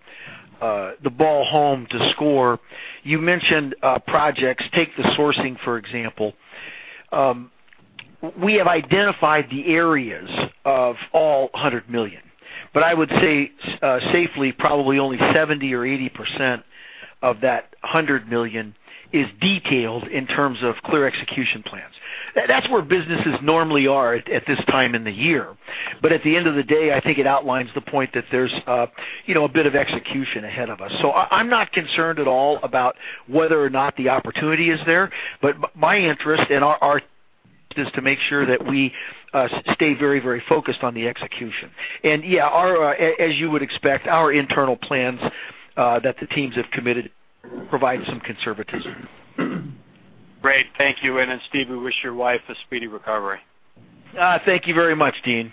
ball home to score. You mentioned projects. Take the sourcing, for example. We have identified the areas of all $100 million, but I would say safely probably only 70% or 80% of that $100 million is detailed in terms of clear execution plans. That's where businesses normally are at this time in the year. At the end of the day, I think it outlines the point that there's a bit of execution ahead of us. I'm not concerned at all about whether or not the opportunity is there, but my interest and ours is to make sure that we stay very focused on the execution. Yeah, as you would expect, our internal plans that the teams have committed provide some conservatism. Great. Thank you. Steve, we wish your wife a speedy recovery. Thank you very much, Deane.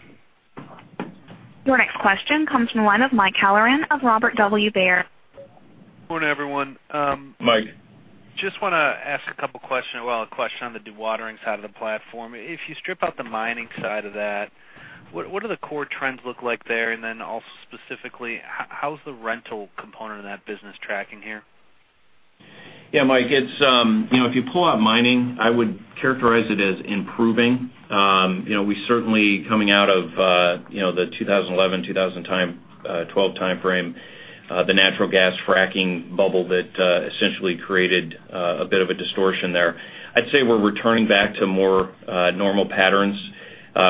Your next question comes from the line of Michael Halloran of Robert W. Baird. Good morning, everyone. Mike. Want to ask a couple questions. Well, a question on the dewatering side of the platform. If you strip out the mining side of that, what do the core trends look like there? Also specifically, how's the rental component of that business tracking here? Mike, if you pull out mining, I would characterize it as improving. We certainly, coming out of the 2011, 2012 timeframe, the natural gas fracking bubble that essentially created a bit of a distortion there. I'd say we're returning back to more normal patterns.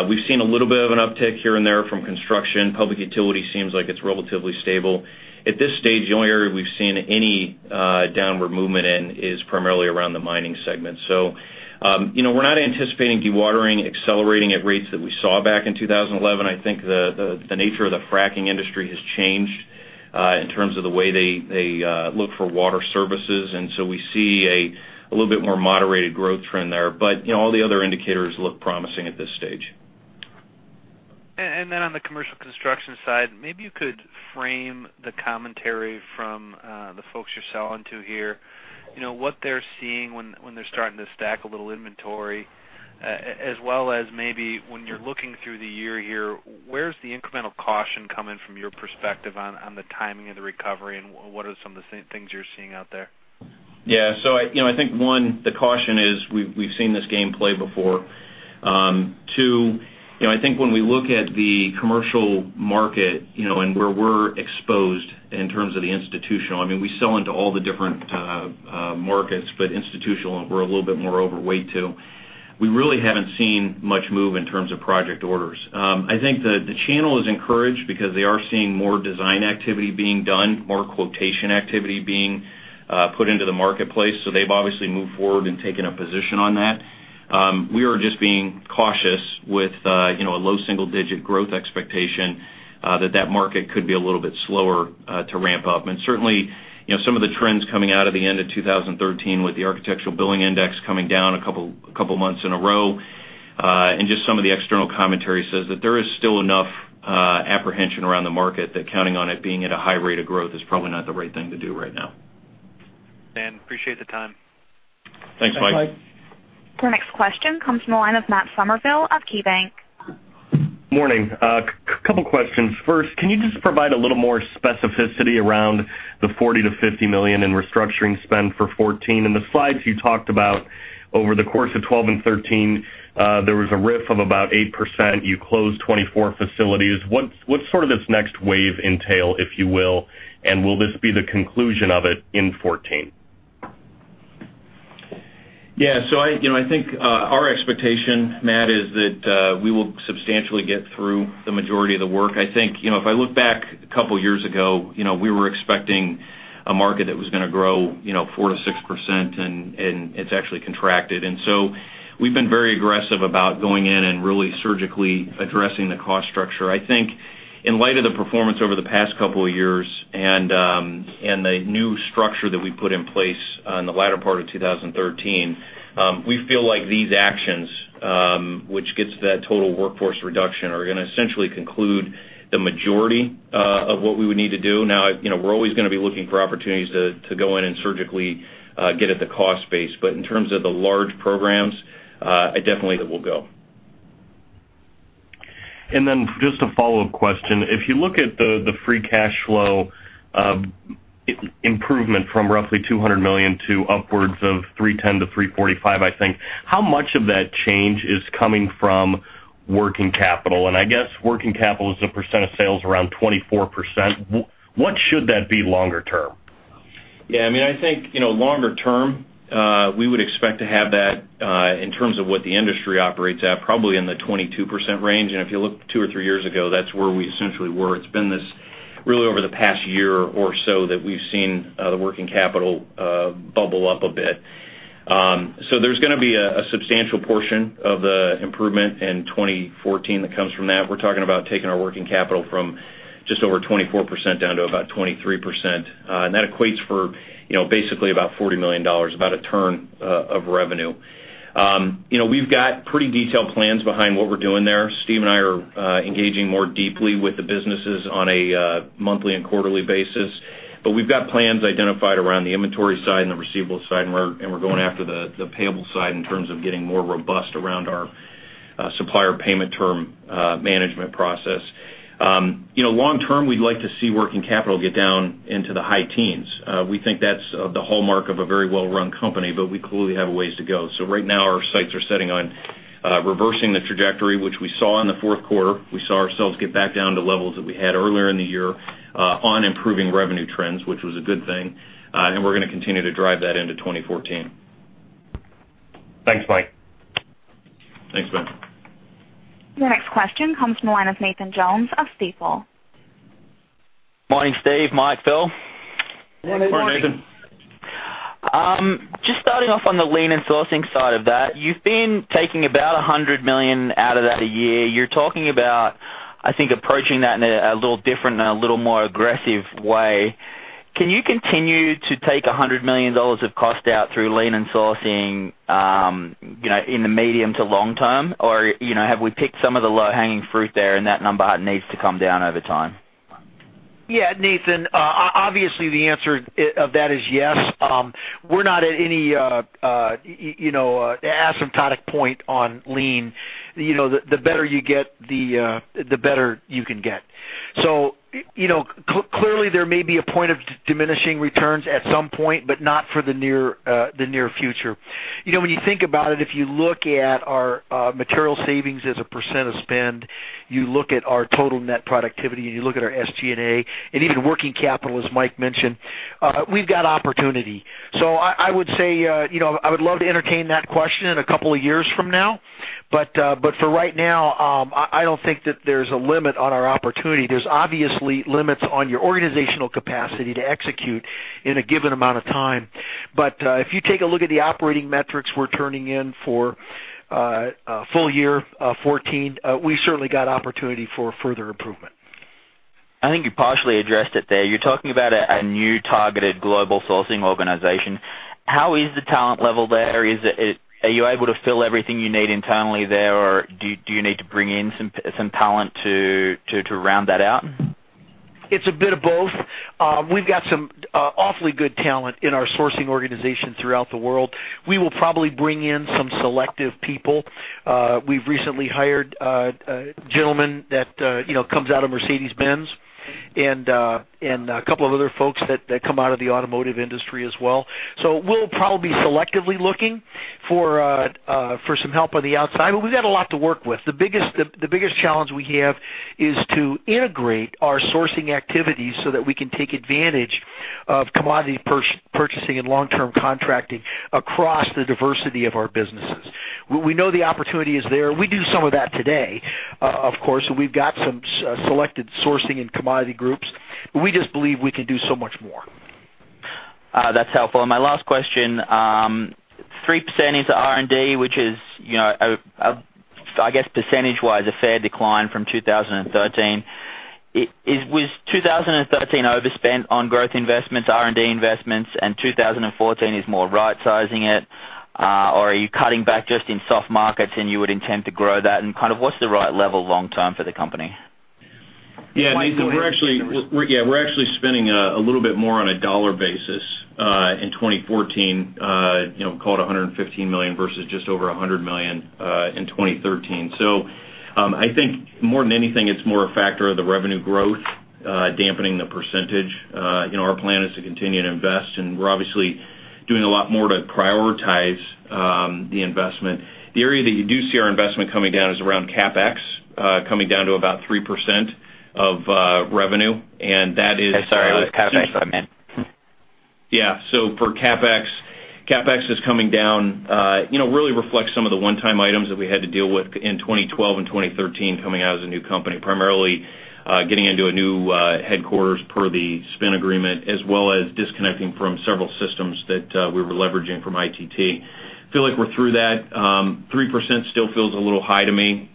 We've seen a little bit of an uptick here and there from construction. Public utility seems like it's relatively stable. At this stage, the only area we've seen any downward movement in is primarily around the mining segment. We're not anticipating dewatering accelerating at rates that we saw back in 2011. I think the nature of the fracking industry has changed in terms of the way they look for water services, and we see a little bit more moderated growth trend there. All the other indicators look promising at this stage. On the commercial construction side, maybe you could frame the commentary from the folks you're selling to here. What they're seeing when they're starting to stack a little inventory, as well as maybe when you're looking through the year here, where's the incremental caution coming from your perspective on the timing of the recovery, and what are some of the things you're seeing out there? I think, one, the caution is we've seen this game played before. Two, I think when we look at the commercial market and where we're exposed in terms of the institutional, we sell into all the different markets, but institutional we're a little bit more overweight to. We really haven't seen much move in terms of project orders. I think the channel is encouraged because they are seeing more design activity being done, more quotation activity being put into the marketplace. They've obviously moved forward and taken a position on that. We are just being cautious with a low single-digit growth expectation that market could be a little bit slower to ramp up. Certainly, some of the trends coming out of the end of 2013 with the Architecture Billings Index coming down a couple of months in a row, and just some of the external commentary says that there is still enough apprehension around the market that counting on it being at a high rate of growth is probably not the right thing to do right now. [Thanks], appreciate the time. Thanks, Mike. Thanks, Mike. The next question comes from the line of Matt Summerville of KeyBank. Morning. A couple questions. First, can you just provide a little more specificity around the $40 million-$50 million in restructuring spend for 2014? In the slides you talked about over the course of 2012 and 2013, there was a RIF of about 8%. You closed 24 facilities. What sort of this next wave entail, if you will, and will this be the conclusion of it in 2014? Yeah. I think our expectation, Matt, is that we will substantially get through the majority of the work. I think, if I look back a couple of years ago, we were expecting a market that was going to grow 4%-6%, and it's actually contracted. We've been very aggressive about going in and really surgically addressing the cost structure. I think in light of the performance over the past couple of years and the new structure that we put in place in the latter part of 2013, we feel like these actions, which gets to that total workforce reduction, are going to essentially conclude the majority of what we would need to do. Now, we're always going to be looking for opportunities to go in and surgically get at the cost base. In terms of the large programs, I definitely think that will go. Just a follow-up question. If you look at the free cash flow improvement from roughly $200 million to upwards of $310-$345, I think, how much of that change is coming from working capital? I guess working capital as a percent of sales around 24%. What should that be longer term? Yeah, I think, longer term, we would expect to have that, in terms of what the industry operates at, probably in the 22% range. If you look two or three years ago, that's where we essentially were. It's been this really over the past year or so that we've seen the working capital bubble up a bit. There's going to be a substantial portion of the improvement in 2014 that comes from that. We're talking about taking our working capital from just over 24% down to about 23%. That equates for basically about $40 million, about a turn of revenue. We've got pretty detailed plans behind what we're doing there. Steve and I are engaging more deeply with the businesses on a monthly and quarterly basis, we've got plans identified around the inventory side and the receivable side, we're going after the payable side in terms of getting more robust around our supplier payment term management process. Long term, we'd like to see working capital get down into the high teens. We think that's the hallmark of a very well-run company, but we clearly have a ways to go. Right now, our sights are setting on reversing the trajectory, which we saw in the fourth quarter. We saw ourselves get back down to levels that we had earlier in the year on improving revenue trends, which was a good thing. We're going to continue to drive that into 2014. Thanks, Mike. Thanks, Matt. Your next question comes from the line of Nathan Jones of Stifel. Morning, Steve, Mike, Phil. Morning, Nathan. Just starting off on the lean and sourcing side of that, you've been taking about $100 million out of that a year. You're talking about, I think, approaching that in a little different and a little more aggressive way. Can you continue to take $100 million of cost out through lean and sourcing in the medium to long term? Or have we picked some of the low-hanging fruit there and that number needs to come down over time? Yeah, Nathan, obviously the answer of that is yes. We're not at any asymptotic point on lean. The better you get, the better you can get. Clearly there may be a point of diminishing returns at some point, but not for the near future. When you think about it, if you look at our material savings as a % of spend, you look at our total net productivity, and you look at our SG&A and even working capital, as Mike mentioned, we've got opportunity. I would say, I would love to entertain that question in a couple of years from now. For right now, I don't think that there's a limit on our opportunity. There's obviously limits on your organizational capacity to execute in a given amount of time. If you take a look at the operating metrics we're turning in for full year 2014, we certainly got opportunity for further improvement. I think you partially addressed it there. You are talking about a new targeted global sourcing organization. How is the talent level there? Are you able to fill everything you need internally there, or do you need to bring in some talent to round that out? It's a bit of both. We've got some awfully good talent in our sourcing organization throughout the world. We will probably bring in some selective people. We've recently hired a gentleman that comes out of Mercedes-Benz and a couple of other folks that come out of the automotive industry as well. We'll probably be selectively looking for some help on the outside, we've got a lot to work with. The biggest challenge we have is to integrate our sourcing activities so that we can take advantage of commodity purchasing and long-term contracting across the diversity of our businesses. We know the opportunity is there. We do some of that today, of course, and we've got some selected sourcing and commodity groups, we just believe we can do so much more. That's helpful. My last question, 3% into R&D, which is, I guess percentage-wise, a fair decline from 2013. Was 2013 overspent on growth investments, R&D investments, and 2014 is more right-sizing it, or are you cutting back just in soft markets and you would intend to grow that, and kind of what's the right level long term for the company? Yeah, Nathan, we're actually spending a little bit more on a dollar basis in 2014, call it $115 million versus just over $100 million in 2013. I think more than anything, it's more a factor of the revenue growth dampening the percentage. Our plan is to continue to invest, we're obviously doing a lot more to prioritize the investment. The area that you do see our investment coming down is around CapEx, coming down to about 3% of revenue. That is. Sorry, it was CapEx I meant. Yeah. For CapEx is coming down, really reflects some of the one-time items that we had to deal with in 2012 and 2013 coming out as a new company, primarily getting into a new headquarters per the spin agreement, as well as disconnecting from several systems that we were leveraging from ITT Corporation. Feel like we're through that. 3% still feels a little high to me.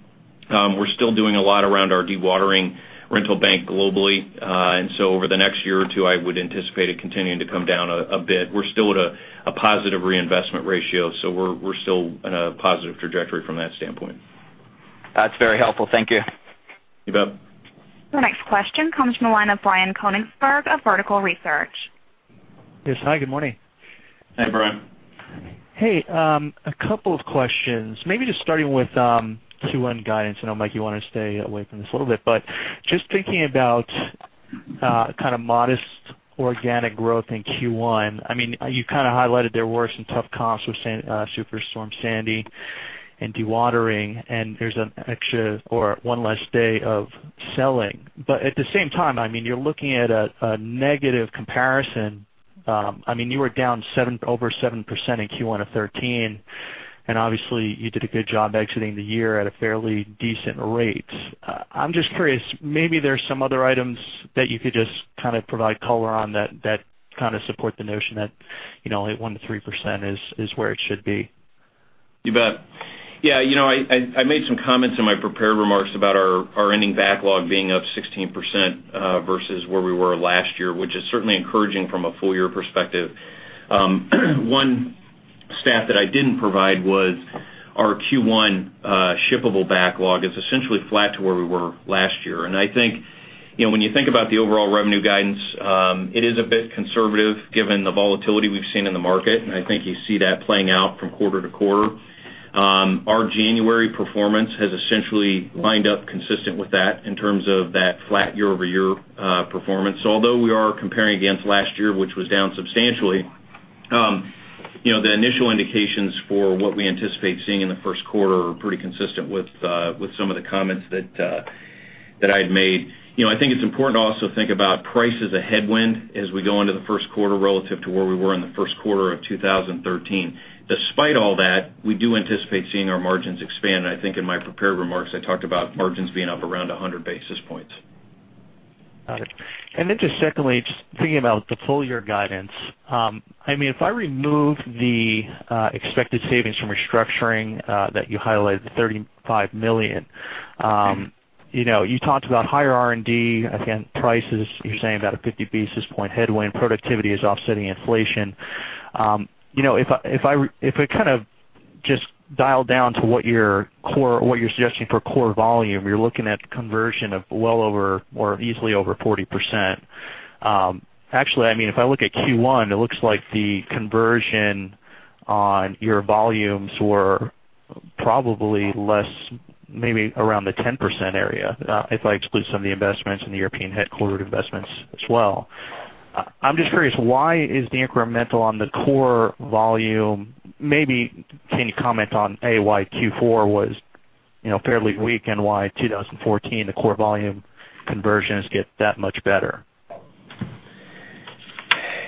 We're still doing a lot around our dewatering rental bank globally. Over the next year or two, I would anticipate it continuing to come down a bit. We're still at a positive reinvestment ratio, so we're still in a positive trajectory from that standpoint. That's very helpful. Thank you. You bet. The next question comes from the line of Brian Konigsberg of Vertical Research. Yes. Hi, good morning. Hey, Brian. Hey, a couple of questions. Maybe just starting with Q1 guidance. I know, Mike, you want to stay away from this a little bit, but just thinking about kind of modest organic growth in Q1. You kind of highlighted there were some tough comps with Superstorm Sandy and dewatering, and there's an extra or one less day of selling. At the same time, you're looking at a negative comparison. You were down over 7% in Q1 of 2013, and obviously, you did a good job exiting the year at a fairly decent rate. I'm just curious, maybe there's some other items that you could just kind of provide color on that kind of support the notion that only 1% to 3% is where it should be. You bet. Yeah. I made some comments in my prepared remarks about our ending backlog being up 16% versus where we were last year, which is certainly encouraging from a full year perspective. One stat that I didn't provide was our Q1 shippable backlog is essentially flat to where we were last year. I think when you think about the overall revenue guidance, it is a bit conservative given the volatility we've seen in the market. I think you see that playing out from quarter to quarter. Our January performance has essentially lined up consistent with that in terms of that flat year-over-year performance. Although we are comparing against last year, which was down substantially. The initial indications for what we anticipate seeing in the first quarter are pretty consistent with some of the comments that I had made. I think it's important to also think about price as a headwind as we go into the first quarter relative to where we were in the first quarter of 2013. Despite all that, we do anticipate seeing our margins expand. I think in my prepared remarks, I talked about margins being up around 100 basis points. Got it. Then just secondly, just thinking about the full year guidance. If I remove the expected savings from restructuring that you highlighted, the $35 million. You talked about higher R&D. Again, prices, you're saying about a 50 basis point headwind. Productivity is offsetting inflation. If I kind of just dial down to what you're suggesting for core volume, you're looking at conversion of well over or easily over 40%. Actually, if I look at Q1, it looks like the conversion on your volumes were probably less, maybe around the 10% area, if I exclude some of the investments in the European headquarter investments as well. I'm just curious, why is the incremental on the core volume, maybe can you comment on, A, why Q4 was fairly weak and why 2014, the core volume conversions get that much better?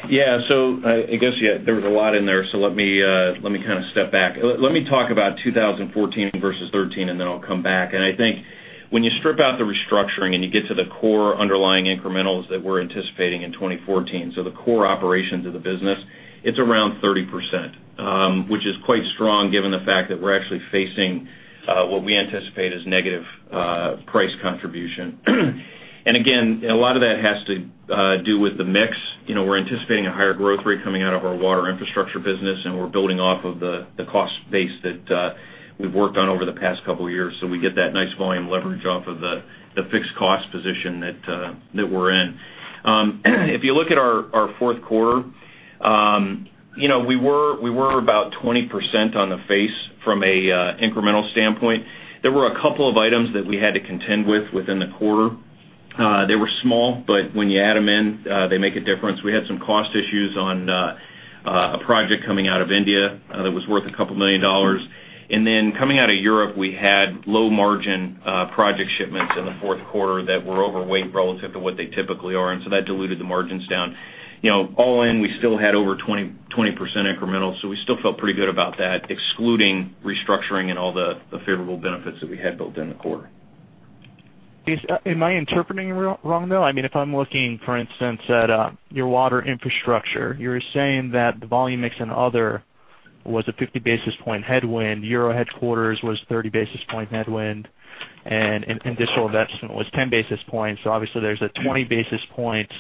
Yeah. I guess there was a lot in there. Let me kind of step back. Let me talk about 2014 versus '13, and then I'll come back. I think when you strip out the restructuring and you get to the core underlying incrementals that we're anticipating in 2014, so the core operations of the business, it's around 30%, which is quite strong given the fact that we're actually facing what we anticipate is negative price contribution. Again, a lot of that has to do with the mix. We're anticipating a higher growth rate coming out of our Water Infrastructure business, and we're building off of the cost base that we've worked on over the past couple of years. We get that nice volume leverage off of the fixed cost position that we're in. If you look at our fourth quarter, we were about 20% on the face from an incremental standpoint. There were a couple of items that we had to contend with within the quarter. They were small, but when you add them in, they make a difference. We had some cost issues on a project coming out of India that was worth $2 million. Coming out of Europe, we had low margin project shipments in the fourth quarter that were overweight relative to what they typically are. That diluted the margins down. All in, we still had over 20% incremental. We still felt pretty good about that, excluding restructuring and all the favorable benefits that we had built in the quarter. Am I interpreting wrong, though? If I'm looking, for instance, at your Water Infrastructure, you're saying that the volume mix in other was a 50 basis points headwind, Euro headquarters was 30 basis points headwind, and additional investment was 10 basis points. Obviously there's a 20 basis points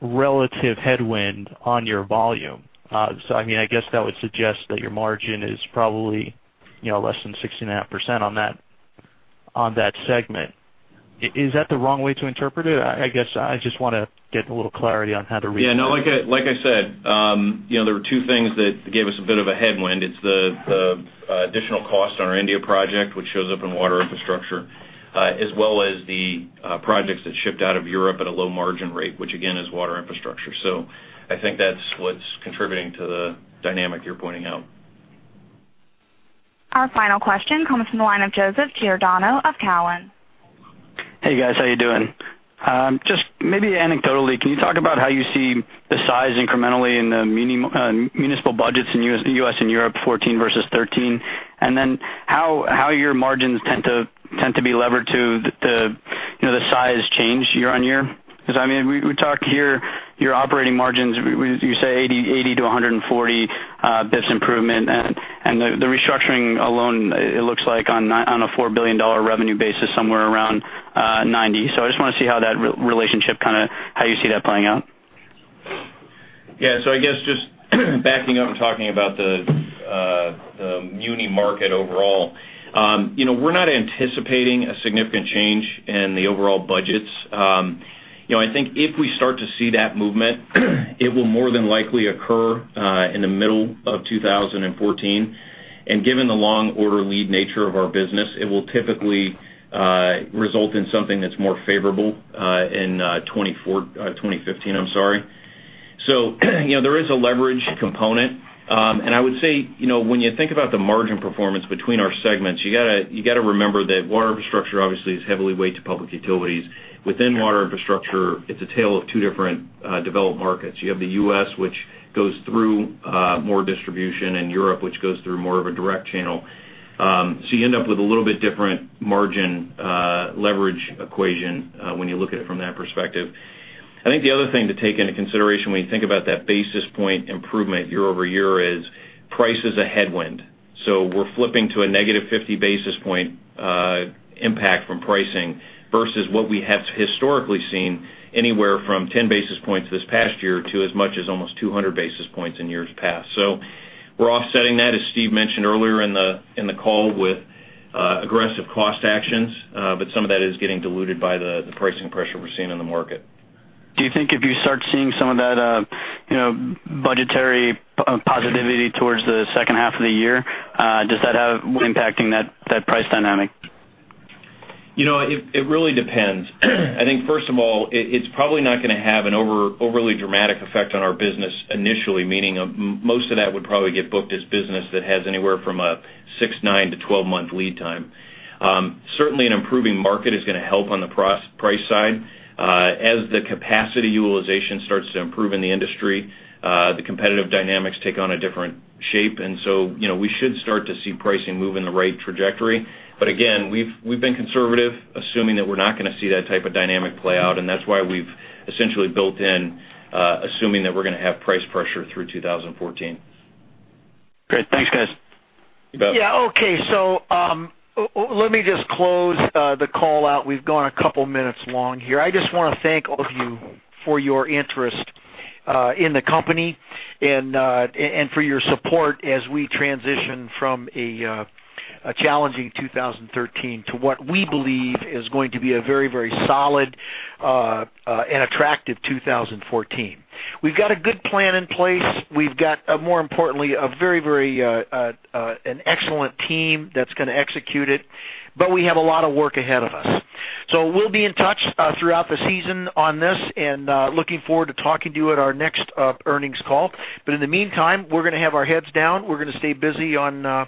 relative headwind on your volume. I guess that would suggest that your margin is probably less than 6.5% on that segment. Is that the wrong way to interpret it? I guess I just want to get a little clarity on how to read that. Yeah, no, like I said, there were two things that gave us a bit of a headwind. It's the additional cost on our India project, which shows up in Water Infrastructure, as well as the projects that shipped out of Europe at a low margin rate, which again, is Water Infrastructure. I think that's what's contributing to the dynamic you're pointing out. Our final question comes from the line of Joseph Giordano of Cowen. Hey, guys. How you doing? Just maybe anecdotally, can you talk about how you see the size incrementally in the municipal budgets in U.S. and Europe 2014 versus 2013, and then how your margins tend to be levered to the size change year-over-year? We talk here, your operating margins, you say 80 to 140 basis points improvement, and the restructuring alone, it looks like on a $4 billion revenue basis, somewhere around 90 basis points. I just want to see how that relationship kind of, how you see that playing out. Yeah. I guess just backing up and talking about the muni market overall. We're not anticipating a significant change in the overall budgets. I think if we start to see that movement, it will more than likely occur in the middle of 2014. Given the long order lead nature of our business, it will typically result in something that's more favorable in 2015. There is a leverage component. I would say, when you think about the margin performance between our segments, you got to remember that Water Infrastructure obviously is heavily weighed to public utilities. Within Water Infrastructure, it's a tale of two different developed markets. You have the U.S., which goes through more distribution, and Europe, which goes through more of a direct channel. You end up with a little bit different margin leverage equation when you look at it from that perspective. I think the other thing to take into consideration when you think about that basis point improvement year-over-year is, price is a headwind. We're flipping to a negative 50 basis points impact from pricing, versus what we have historically seen anywhere from 10 basis points this past year to as much as almost 200 basis points in years past. We're offsetting that, as Steve Loranger mentioned earlier in the call, with aggressive cost actions. Some of that is getting diluted by the pricing pressure we're seeing in the market. Do you think if you start seeing some of that budgetary positivity towards the second half of the year, does that have impacting that price dynamic? It really depends. I think first of all, it's probably not going to have an overly dramatic effect on our business initially, meaning most of that would probably get booked as business that has anywhere from a 6, 9 to 12-month lead time. Certainly, an improving market is going to help on the price side. As the capacity utilization starts to improve in the industry, the competitive dynamics take on a different shape. We should start to see pricing move in the right trajectory. We've been conservative assuming that we're not going to see that type of dynamic play out, and that's why we've essentially built in assuming that we're going to have price pressure through 2014. Great. Thanks, guys. You bet. Let me just close the call out. We've gone a couple of minutes long here. I just want to thank all of you for your interest in the company and for your support as we transition from a challenging 2013 to what we believe is going to be a very solid and attractive 2014. We've got a good plan in place. We've got, more importantly, an excellent team that's going to execute it, but we have a lot of work ahead of us. We'll be in touch throughout the season on this, and looking forward to talking to you at our next earnings call. In the meantime, we're going to have our heads down. We're going to stay busy on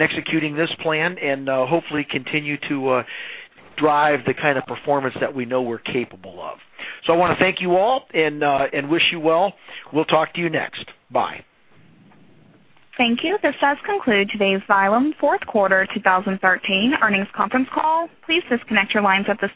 executing this plan and hopefully continue to drive the kind of performance that we know we're capable of. I want to thank you all and wish you well. We'll talk to you next. Bye. Thank you. This does conclude today's Xylem fourth quarter 2013 earnings conference call. Please disconnect your lines at this time.